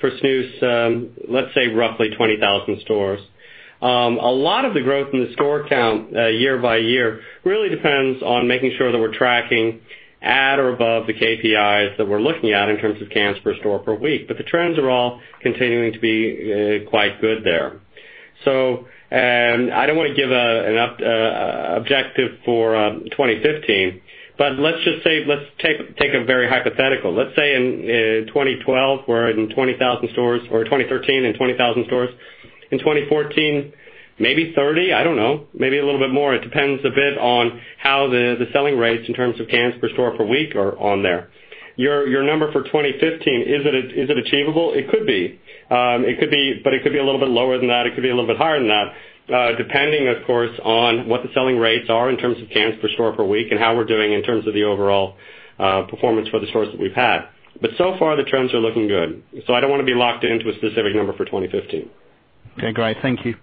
for SNUS, let's say roughly 20,000 stores. A lot of the growth in the store count year by year really depends on making sure that we're tracking at or above the KPIs that we're looking at in terms of cans per store per week. The trends are all continuing to be quite good there. I don't want to give an objective for 2015, but let's just say, let's take a very hypothetical. Let's say in 2012, we're in 20,000 stores, or 2013 in 20,000 stores. In 2014, maybe 30, I don't know. Maybe a little bit more. It depends a bit on how the selling rates in terms of cans per store per week are on there. Your number for 2015, is it achievable? It could be. It could be a little bit lower than that, it could be a little bit higher than that. Depending, of course, on what the selling rates are in terms of cans per store per week and how we're doing in terms of the overall performance for the stores that we've had. So far, the trends are looking good. I don't want to be locked into a specific number for 2015. Okay, great. Thank you.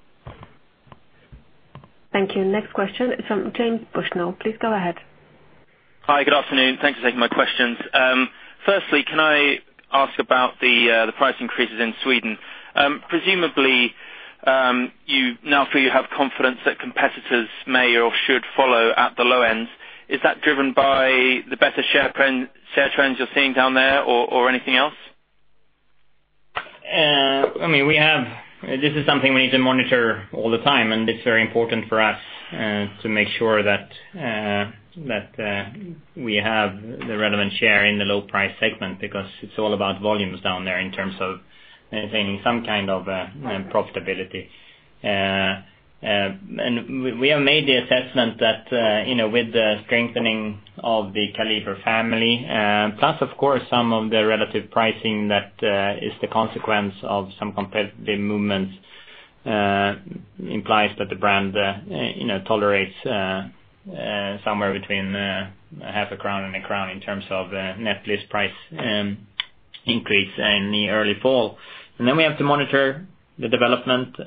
Thank you. Next question is from James Bushnell. Please go ahead. Hi, good afternoon. Thanks for taking my questions. Firstly, can I ask about the price increases in Sweden? Presumably, you now feel you have confidence that competitors may or should follow at the low end. Is that driven by the better share trends you're seeing down there, or anything else? This is something we need to monitor all the time, and it's very important for us to make sure that we have the relevant share in the low price segment, because it's all about volumes down there in terms of maintaining some kind of profitability. We have made the assessment that with the strengthening of the Kaliber family, plus of course some of the relative pricing that is the consequence of some competitive movements, implies that the brand tolerates somewhere between half a SEK and a SEK in terms of net list price increase in the early fall. Then we have to monitor the development.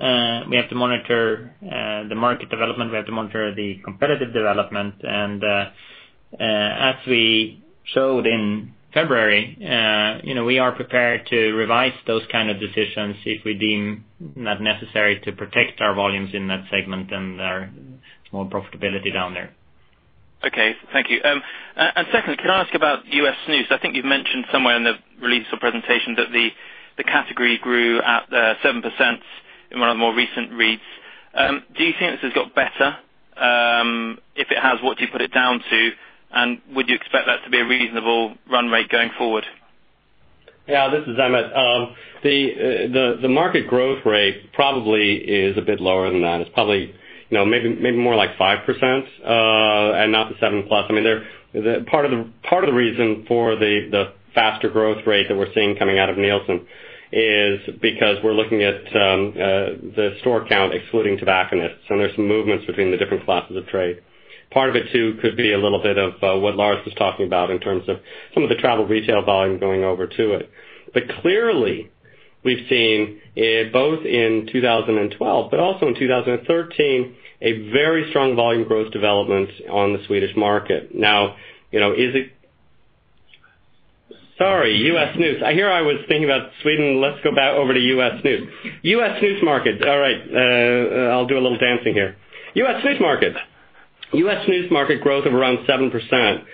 We have to monitor the market development, we have to monitor the competitive development and, as we showed in February, we are prepared to revise those kind of decisions if we deem not necessary to protect our volumes in that segment and our small profitability down there. Okay. Thank you. Secondly, can I ask you about US snus? I think you've mentioned somewhere in the release or presentation that the category grew at 7% in one of the more recent reads. Do you think this has got better? If it has, what do you put it down to? Would you expect that to be a reasonable run rate going forward? This is Emmett. The market growth rate probably is a bit lower than that. It's probably maybe more like 5% and not the 7+. Part of the reason for the faster growth rate that we're seeing coming out of Nielsen is because we're looking at the store count excluding tobacconists, and there's some movements between the different classes of trade. Part of it, too, could be a little bit of what Lars was talking about in terms of some of the travel retail volume going over to it. Clearly we've seen both in 2012, but also in 2013, a very strong volume growth development on the Swedish market. Sorry, US snus. Here I was thinking about Sweden. Let's go back over to US snus. US snus market. All right, I'll do a little dancing here. US snus market growth of around 7%.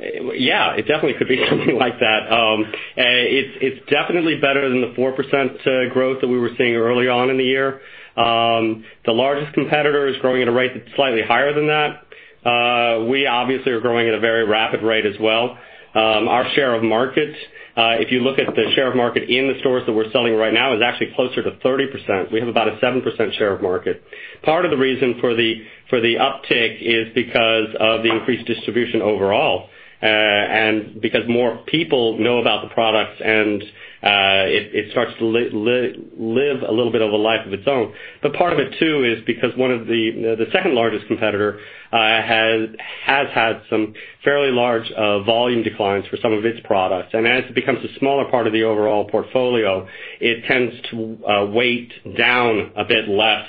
It definitely could be something like that. It's definitely better than the 4% growth that we were seeing early on in the year. The largest competitor is growing at a rate that's slightly higher than that. We obviously are growing at a very rapid rate as well. Our share of market, if you look at the share of market in the stores that we're selling right now, is actually closer to 30%. We have about a 7% share of market. Part of the reason for the uptick is because of the increased distribution overall, and because more people know about the products, and it starts to live a little bit of a life of its own. Part of it, too, is because the second largest competitor has had some fairly large volume declines for some of its products. As it becomes a smaller part of the overall portfolio, it tends to weight down a bit less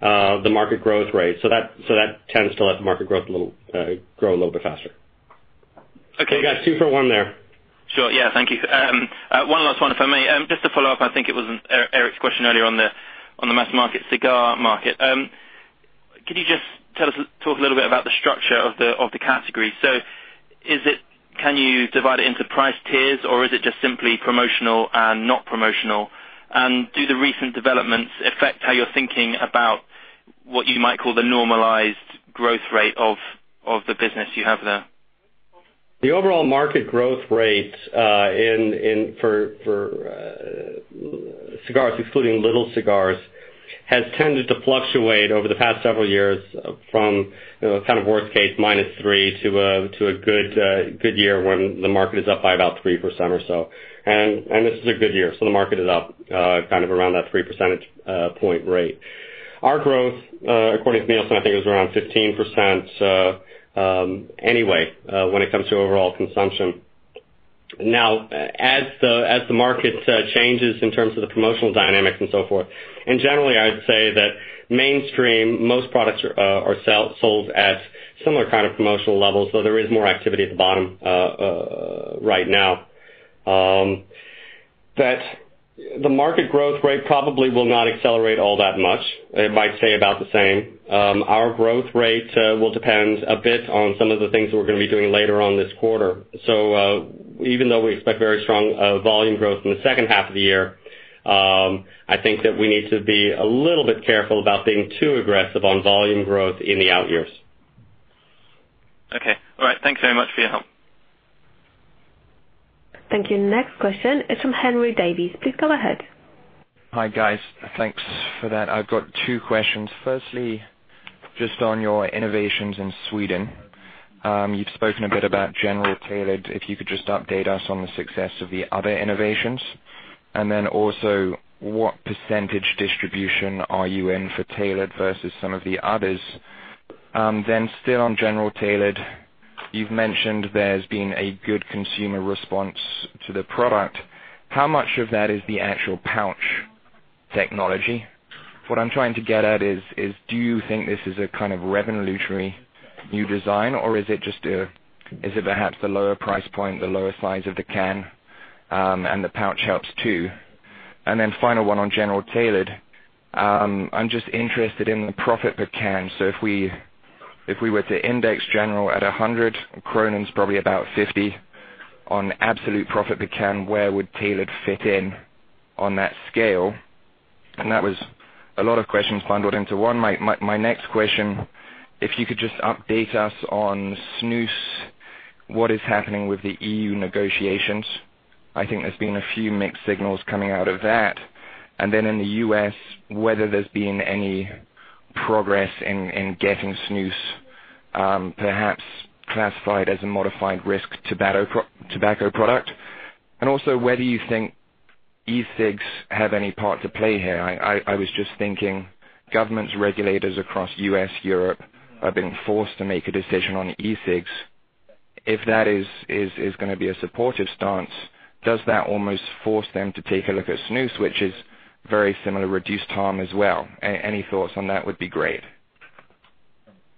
the market growth rate. That tends to let the market grow a little bit faster. Okay. You got two for one there. Sure. Yeah, thank you. One last one if I may. Just to follow up, I think it was Erik's question earlier on the mass market cigar market. Could you just talk a little bit about the structure of the category? Can you divide it into price tiers, or is it just simply promotional and not promotional? Do the recent developments affect how you're thinking about what you might call the normalized growth rate of the business you have there? The overall market growth rate for cigars, excluding little cigars, has tended to fluctuate over the past several years from kind of worst case minus three to a good year when the market is up by about 3% or so. This is a good year. The market is up kind of around that three percentage point rate. Our growth, according to Nielsen, I think it was around 15% anyway when it comes to overall consumption. As the market changes in terms of the promotional dynamics and so forth, and generally I'd say that mainstream, most products are sold at similar kind of promotional levels, though there is more activity at the bottom right now. The market growth rate probably will not accelerate all that much. It might stay about the same. Our growth rate will depend a bit on some of the things that we're going to be doing later on this quarter. Even though we expect very strong volume growth in the second half of the year, I think that we need to be a little bit careful about being too aggressive on volume growth in the out years. Okay. All right. Thanks very much for your help. Thank you. Next question is from Henry Davies. Please go ahead. Hi, guys. Thanks for that. I've got two questions. Firstly, just on your innovations in Sweden. You've spoken a bit about General Tailored. If you could just update us on the success of the other innovations, what percentage distribution are you in for Tailored versus some of the others? Still on General Tailored, you've mentioned there's been a good consumer response to the product. How much of that is the actual pouch technology? What I'm trying to get at is, do you think this is a kind of revolutionary new design, or is it perhaps the lower price point, the lower size of the can, and the pouch helps too? Final one on General Tailored. I'm just interested in the profit per can. If we were to index General at 100, probably about 50 on absolute profit per can, where would Tailored fit in on that scale? That was a lot of questions bundled into one. My next question, if you could just update us on snus, what is happening with the EU negotiations? I think there's been a few mixed signals coming out of that. In the U.S., whether there's been any progress in getting snus perhaps classified as a modified risk tobacco product. Also, whether you think e-cigs have any part to play here. I was just thinking, governments, regulators across U.S., Europe, are being forced to make a decision on e-cigs. If that is going to be a supportive stance, does that almost force them to take a look at snus, which is very similar, reduced harm as well? Any thoughts on that would be great.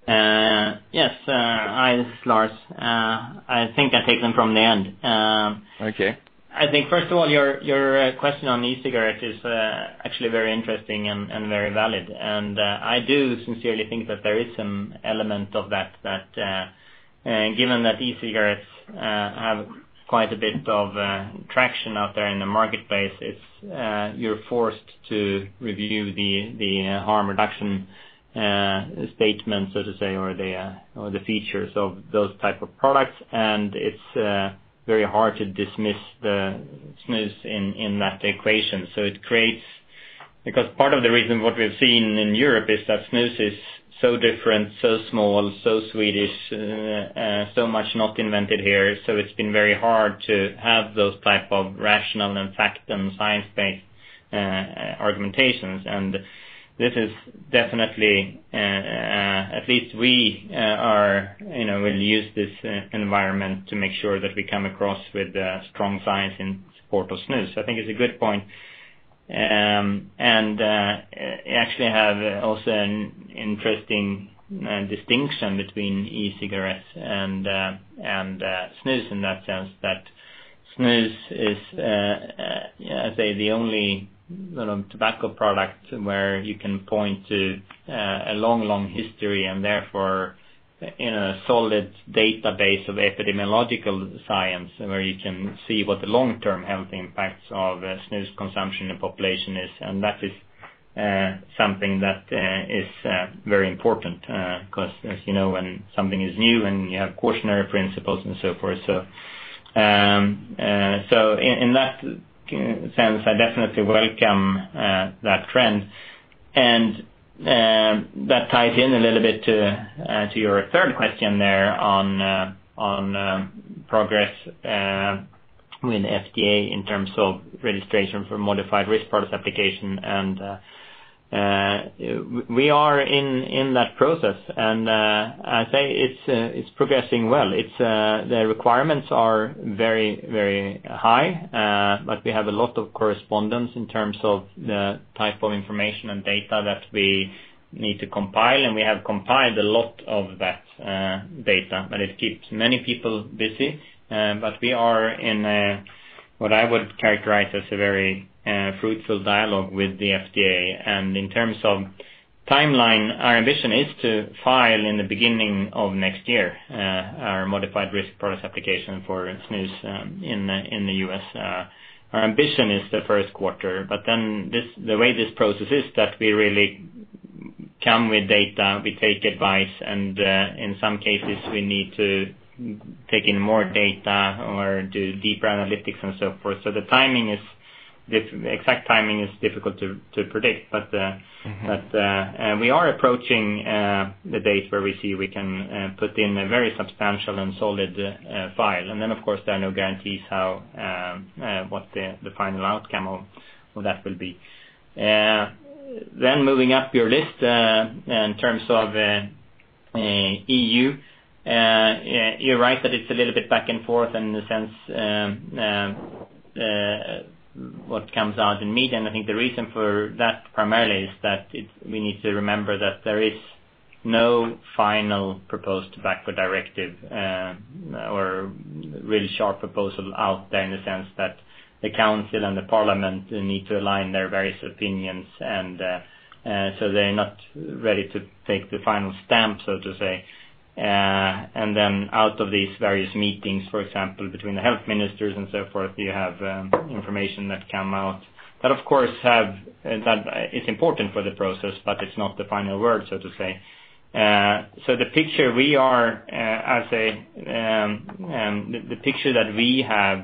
Yes. Hi, this is Lars. I think I take them from the end. Okay. I think first of all, your question on e-cigarette is actually very interesting and very valid. I do sincerely think that there is some element of that, given that e-cigarettes have quite a bit of traction out there in the marketplace, you're forced to review the harm reduction statement, so to say, or the features of those type of products, and it's very hard to dismiss the snus in that equation. Part of the reason what we've seen in Europe is that snus is so different, so small, so Swedish, so much not invented here. It's been very hard to have those type of rational and fact and science-based argumentations. This is definitely, at least we will use this environment to make sure that we come across with strong science in support of snus. I think it's a good point. You actually have also an interesting distinction between e-cigarettes and snus in that sense, that snus is, I'd say, the only tobacco product where you can point to a long history and therefore a solid database of epidemiological science where you can see what the long-term health impacts of snus consumption in population is. That is something that is very important, because as you know, when something is new and you have cautionary principles and so forth. In that sense, I definitely welcome that trend. That ties in a little bit to your third question there on progress with FDA in terms of registration for modified risk product application, we are in that process, and I'd say it's progressing well. The requirements are very high, we have a lot of correspondence in terms of the type of information and data that we need to compile, and we have compiled a lot of that data, it keeps many people busy. We are in a, what I would characterize as a very fruitful dialogue with the FDA. In terms of timeline, our ambition is to file in the beginning of next year, our modified risk product application for snus in the U.S. Our ambition is the first quarter, the way this process is that we really come with data, we take advice, and in some cases we need to take in more data or do deeper analytics and so forth. The exact timing is difficult to predict. We are approaching the date where we see we can put in a very substantial and solid file. Of course, there are no guarantees what the final outcome of that will be. Moving up your list, in terms of EU, you're right that it's a little bit back and forth in the sense what comes out in meeting. I think the reason for that primarily is that we need to remember that there is no final proposed Tobacco Directive or really sharp proposal out there in the sense that the council and the parliament need to align their various opinions, they're not ready to take the final stamp, so to say. Out of these various meetings, for example, between the health ministers and so forth, you have information that come out. That of course is important for the process, but it's not the final word, so to say. The picture that we have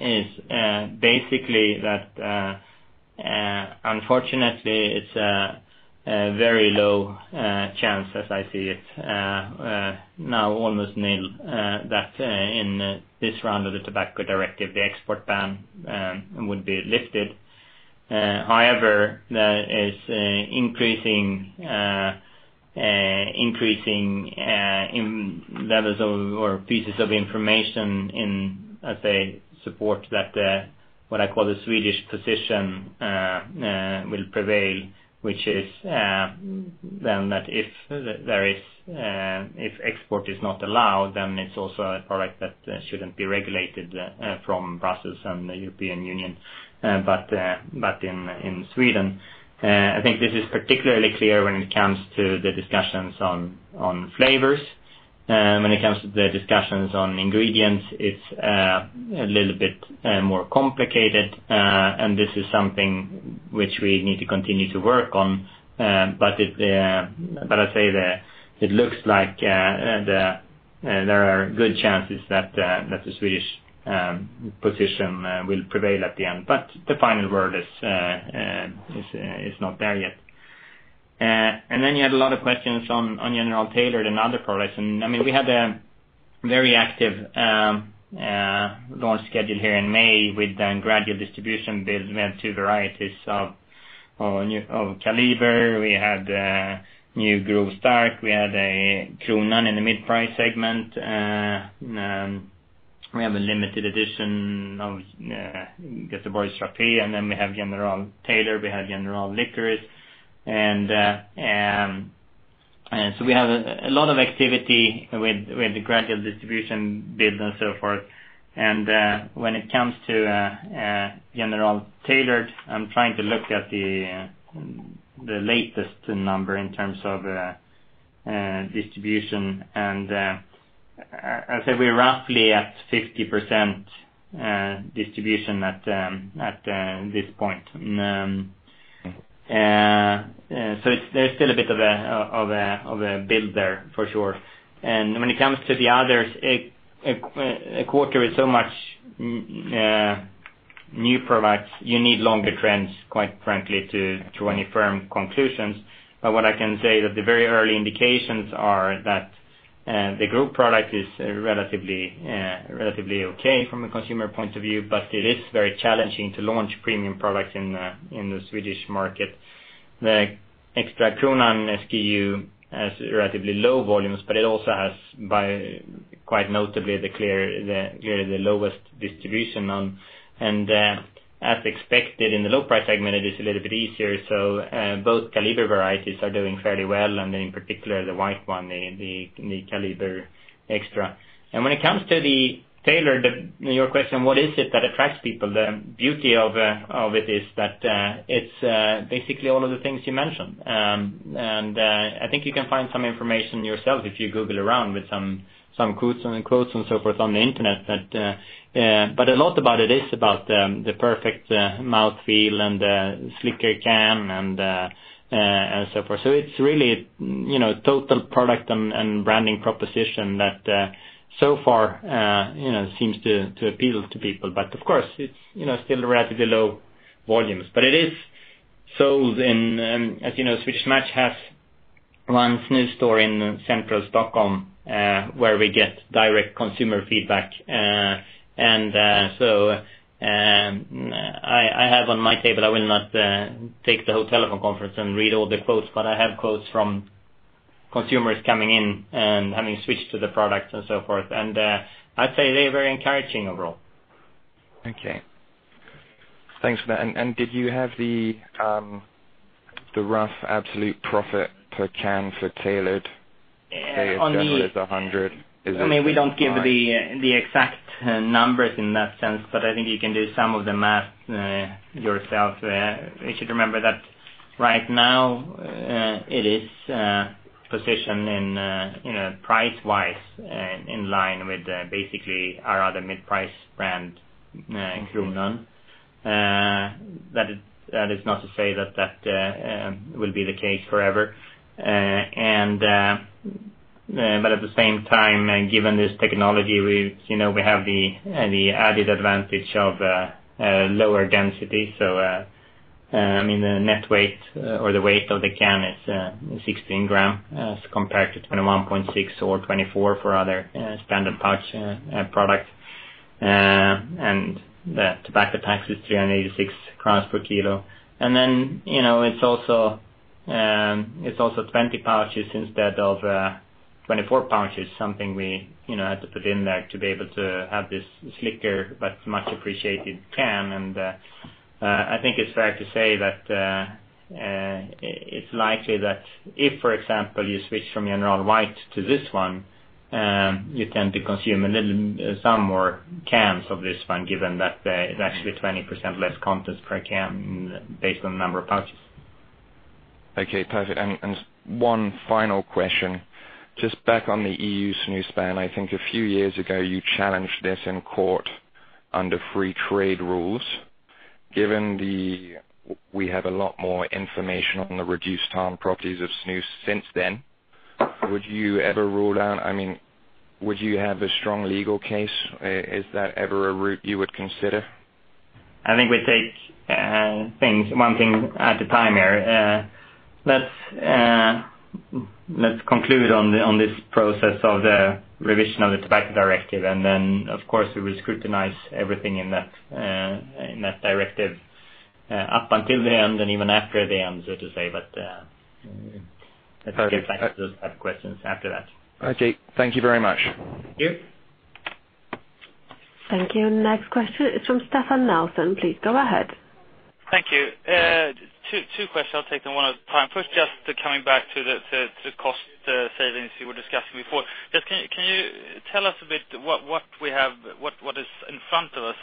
is basically that unfortunately it's a very low chance as I see it now, almost nil, that in this round of the Tobacco Products Directive, the export ban would be lifted. However, there is increasing levels or pieces of information in, I say, support that, what I call the Swedish position will prevail, which is then that if export is not allowed, then it's also a product that shouldn't be regulated from Brussels and the European Union but in Sweden. I think this is particularly clear when it comes to the discussions on flavors. When it comes to the discussions on ingredients, it's a little bit more complicated, and this is something which we need to continue to work on. I say that it looks like there are good chances that the Swedish position will prevail at the end, but the final word is not there yet. You had a lot of questions on General Tailored and other products. We had a very active launch schedule here in May with the gradual distribution build. We have two varieties of Kaliber. We had Grov Stark. We had a Kronan in the mid-price segment. We have a limited edition of Göteborgs Rapé, and then we have General Tailored, we have General Classic Licorice. We have a lot of activity with the gradual distribution build and so forth. When it comes to General Tailored, I'm trying to look at the latest number in terms of distribution. I'd say we're roughly at 50% distribution at this point. There's still a bit of a build there for sure. When it comes to the others, a quarter is so much new products, you need longer trends, quite frankly, to draw any firm conclusions. What I can say that the very early indications are that the Grov product is relatively okay from a consumer point of view, but it is very challenging to launch premium products in the Swedish market. The Kronan SKU has relatively low volumes, but it also has, by quite notably, clearly the lowest distribution. As expected, in the low price segment, it is a little bit easier, so both Kaliber varieties are doing fairly well, and in particular, the white one, the Kaliber+. When it comes to the Tailored, your question, what is it that attracts people? The beauty of it is that it's basically all of the things you mentioned. I think you can find some information yourself if you Google around with some quotes and so forth on the Internet. A lot about it is about the perfect mouthfeel and the slicker can and so forth. It's really total product and branding proposition that so far seems to appeal to people. Of course, it's still relatively low volumes. It is sold in, as you know, Swedish Match has one snus store in central Stockholm, where we get direct consumer feedback. I have on my table, I will not take the whole telephone conference and read all the quotes, but I have quotes from consumers coming in and having switched to the product and so forth. I'd say they're very encouraging overall. Okay. Thanks for that. Did you have the rough absolute profit per can for Tailored? Say, if General is 100, is it. We don't give the exact numbers in that sense, I think you can do some of the math yourself. You should remember that right now, it is positioned price-wise, in line with basically our other mid-price brand, Kronan. That is not to say that will be the case forever. At the same time, given this technology, we have the added advantage of lower density. The net weight or the weight of the can is 16 grams as compared to 21.6 or 24 for other standard pouch product. The tobacco tax is 386 crowns per kilo. It's also 20 pouches instead of 24 pouches, something we had to put in there to be able to have this slicker but much-appreciated can. I think it's fair to say that it's likely that if, for example, you switch from General White to this one, you tend to consume some more cans of this one, given that there is actually 20% less content per can based on number of pouches. Okay, perfect. One final question. Just back on the EU snus ban. I think a few years ago, you challenged this in court under free trade rules. Given we have a lot more information on the reduced harm properties of snus since then, would you ever rule out, would you have a strong legal case? Is that ever a route you would consider? I think we take one thing at a time here. Let's conclude on this process of the revision of the Tobacco Directive, and then of course, we will scrutinize everything in that directive up until the end and even after the end, so to say. Let's get back to those type of questions after that. Okay. Thank you very much. Thank you. Thank you. Next question is from Stefan Nelson. Please go ahead. Thank you. Two questions. I'll take them one at a time. First, just coming back to the cost savings you were discussing before. Just, can you tell us a bit what is in front of us?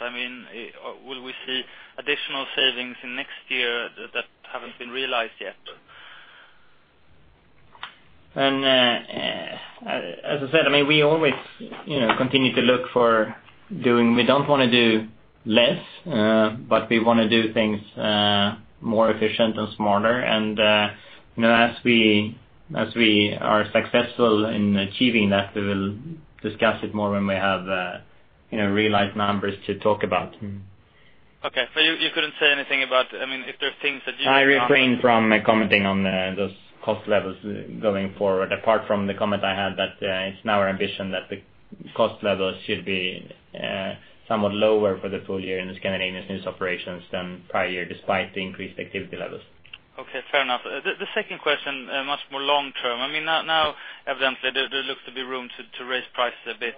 Will we see additional savings in next year that haven't been realized yet? As I said, we always continue to look for. We don't want to do less, but we want to do things more efficient and smarter. As we are successful in achieving that, we will discuss it more when we have realized numbers to talk about. Okay. You couldn't say anything about, if there are things that you- I refrain from commenting on those cost levels going forward, apart from the comment I had that it's now our ambition that the cost levels should be somewhat lower for the full year in the Scandinavian snus operations than prior year, despite the increased activity levels. Okay, fair enough. The second question, much more long-term. Evidently, there looks to be room to raise prices a bit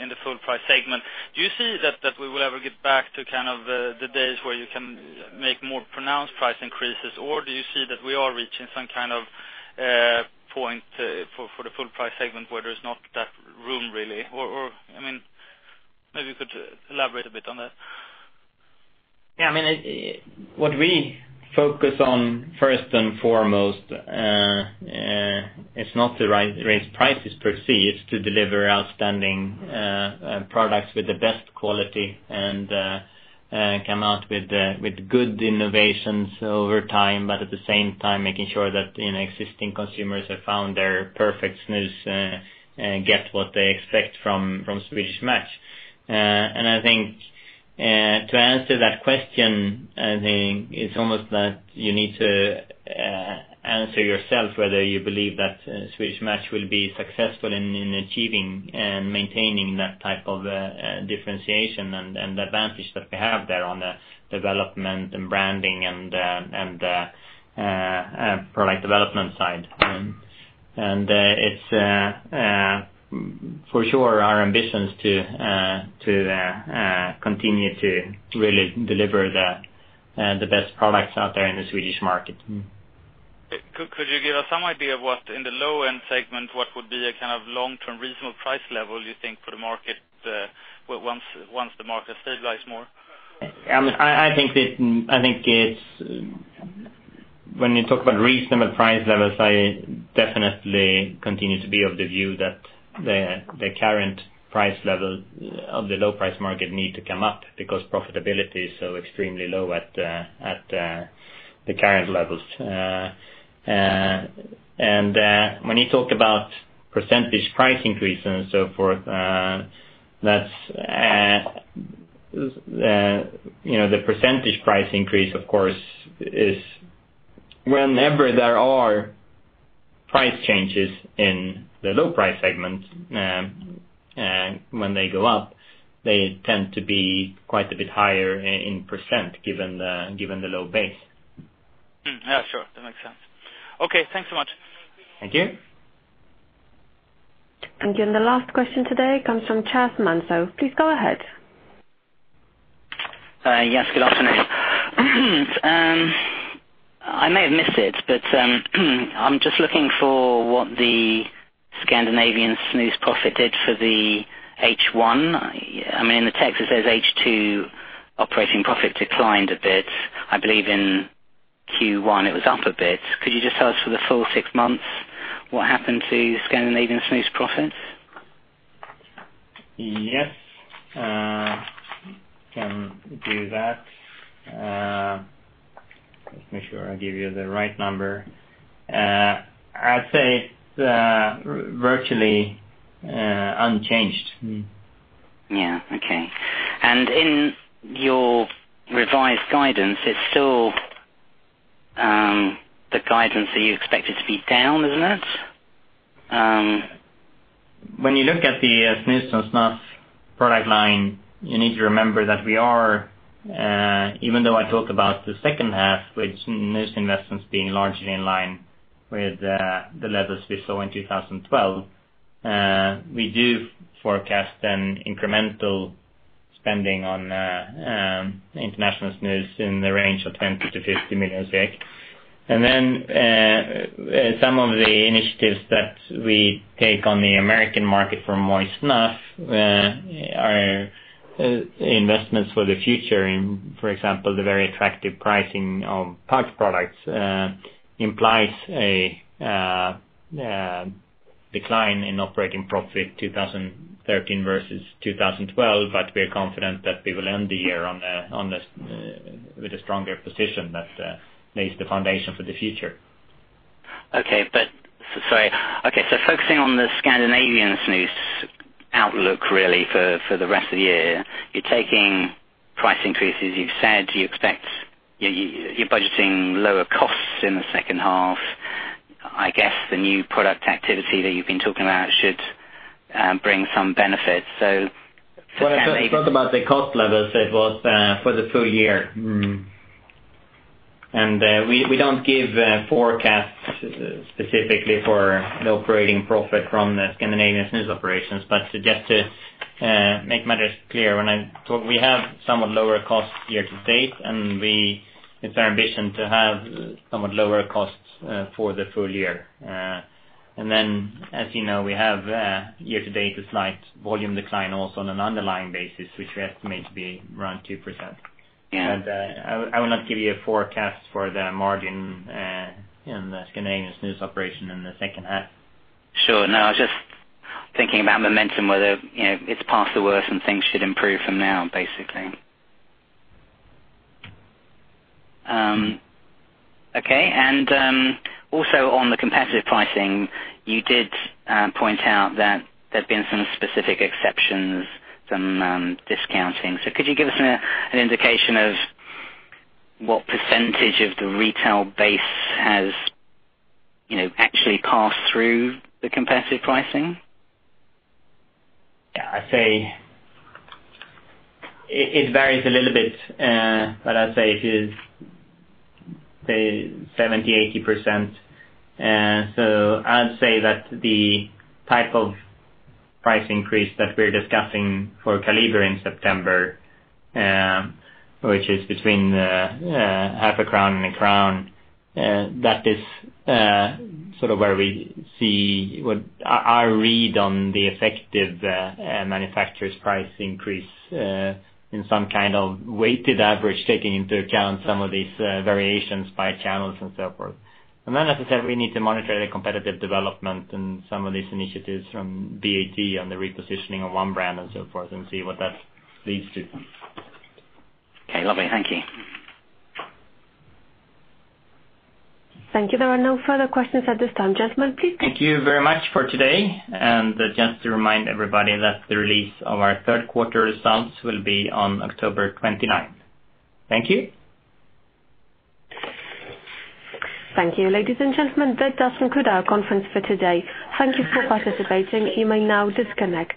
in the full price segment. Do you see that we will ever get back to the days where you can make more pronounced price increases? Or do you see that we are reaching some kind of point for the full price segment where there's not that room, really? Maybe you could elaborate a bit on that. Yeah. What we focus on first and foremost, it's not to raise prices per se. It's to deliver outstanding products with the best quality and come out with good innovations over time. At the same time, making sure that existing consumers have found their perfect snus and get what they expect from Swedish Match. I think to answer that question, I think it's almost that you need to answer yourself whether you believe that Swedish Match will be successful in achieving and maintaining that type of differentiation and the advantage that we have there on the development and branding and product development side. It's for sure our ambitions to continue to really deliver the best products out there in the Swedish market. Could you give us some idea of what, in the low-end segment, what would be a long-term reasonable price level, you think, for the market once the market stabilizes more? When you talk about reasonable price levels, I definitely continue to be of the view that the current price level of the low-price market need to come up, because profitability is so extremely low at the current levels. When you talk about percentage price increase and so forth, the percentage price increase, of course, is whenever there are price changes in the low price segment. When they go up, they tend to be quite a bit higher in %, given the low base. Yeah, sure. That makes sense. Okay, thanks so much. Thank you. Thank you. The last question today comes from Chas Mentzer. Please go ahead. Yes, good afternoon. I may have missed it, but I'm just looking for what the Scandinavian snus profit did for the H1. In the text, it says H2 operating profit declined a bit. I believe in Q1, it was up a bit. Could you just tell us for the full six months what happened to the Scandinavian snus profits? Yes. Can do that. Let me make sure I give you the right number. I'd say it's virtually unchanged. Yeah. Okay. In your revised guidance, it's still the guidance that you expected to be down, isn't it? When you look at the snus and snuff product line, you need to remember that we are, even though I talk about the second half, which snus investments being largely in line with the levels we saw in 2012. We do forecast an incremental spending on international snus in the range of 20 million to 50 million SEK. Some of the initiatives that we take on the American market for moist snuff are investments for the future. For example, the very attractive pricing of pouch products implies a decline in operating profit 2013 versus 2012, we are confident that we will end the year with a stronger position that lays the foundation for the future. Okay. Focusing on the Scandinavian snus outlook, really, for the rest of the year, you're taking price increases, you've said you're budgeting lower costs in the second half. I guess the new product activity that you've been talking about should bring some benefits. What I said about the cost levels, it was for the full year. We don't give forecasts specifically for the operating profit from the Scandinavian snus operations. Just to make matters clear, we have somewhat lower costs year to date, and it's our ambition to have somewhat lower costs for the full year. Then, as you know, we have year to date a slight volume decline also on an underlying basis, which we estimate to be around 2%. Yeah. I will not give you a forecast for the margin in the Scandinavian snus operation in the second half. Sure. I was just thinking about momentum, whether it's past the worst and things should improve from now, basically. Okay, also on the competitive pricing, you did point out that there'd been some specific exceptions, some discounting. Could you give us an indication of what % of the retail base has actually passed through the competitive pricing? Yeah, it varies a little bit. I'd say it is 70%-80%. I'd say that the type of price increase that we're discussing for Kaliber in September, which is between half a crown and a crown, that is sort of where we see what I read on the effective manufacturer's price increase in some kind of weighted average, taking into account some of these variations by channels and so forth. Then, as I said, we need to monitor the competitive development and some of these initiatives from BAT on the repositioning of one brand and so forth, and see what that leads to. Okay, lovely. Thank you. Thank you. There are no further questions at this time, gentlemen. Please. Thank you very much for today. Just to remind everybody that the release of our third quarter results will be on October 29th. Thank you. Thank you, ladies and gentlemen. That does conclude our conference for today. Thank you for participating. You may now disconnect.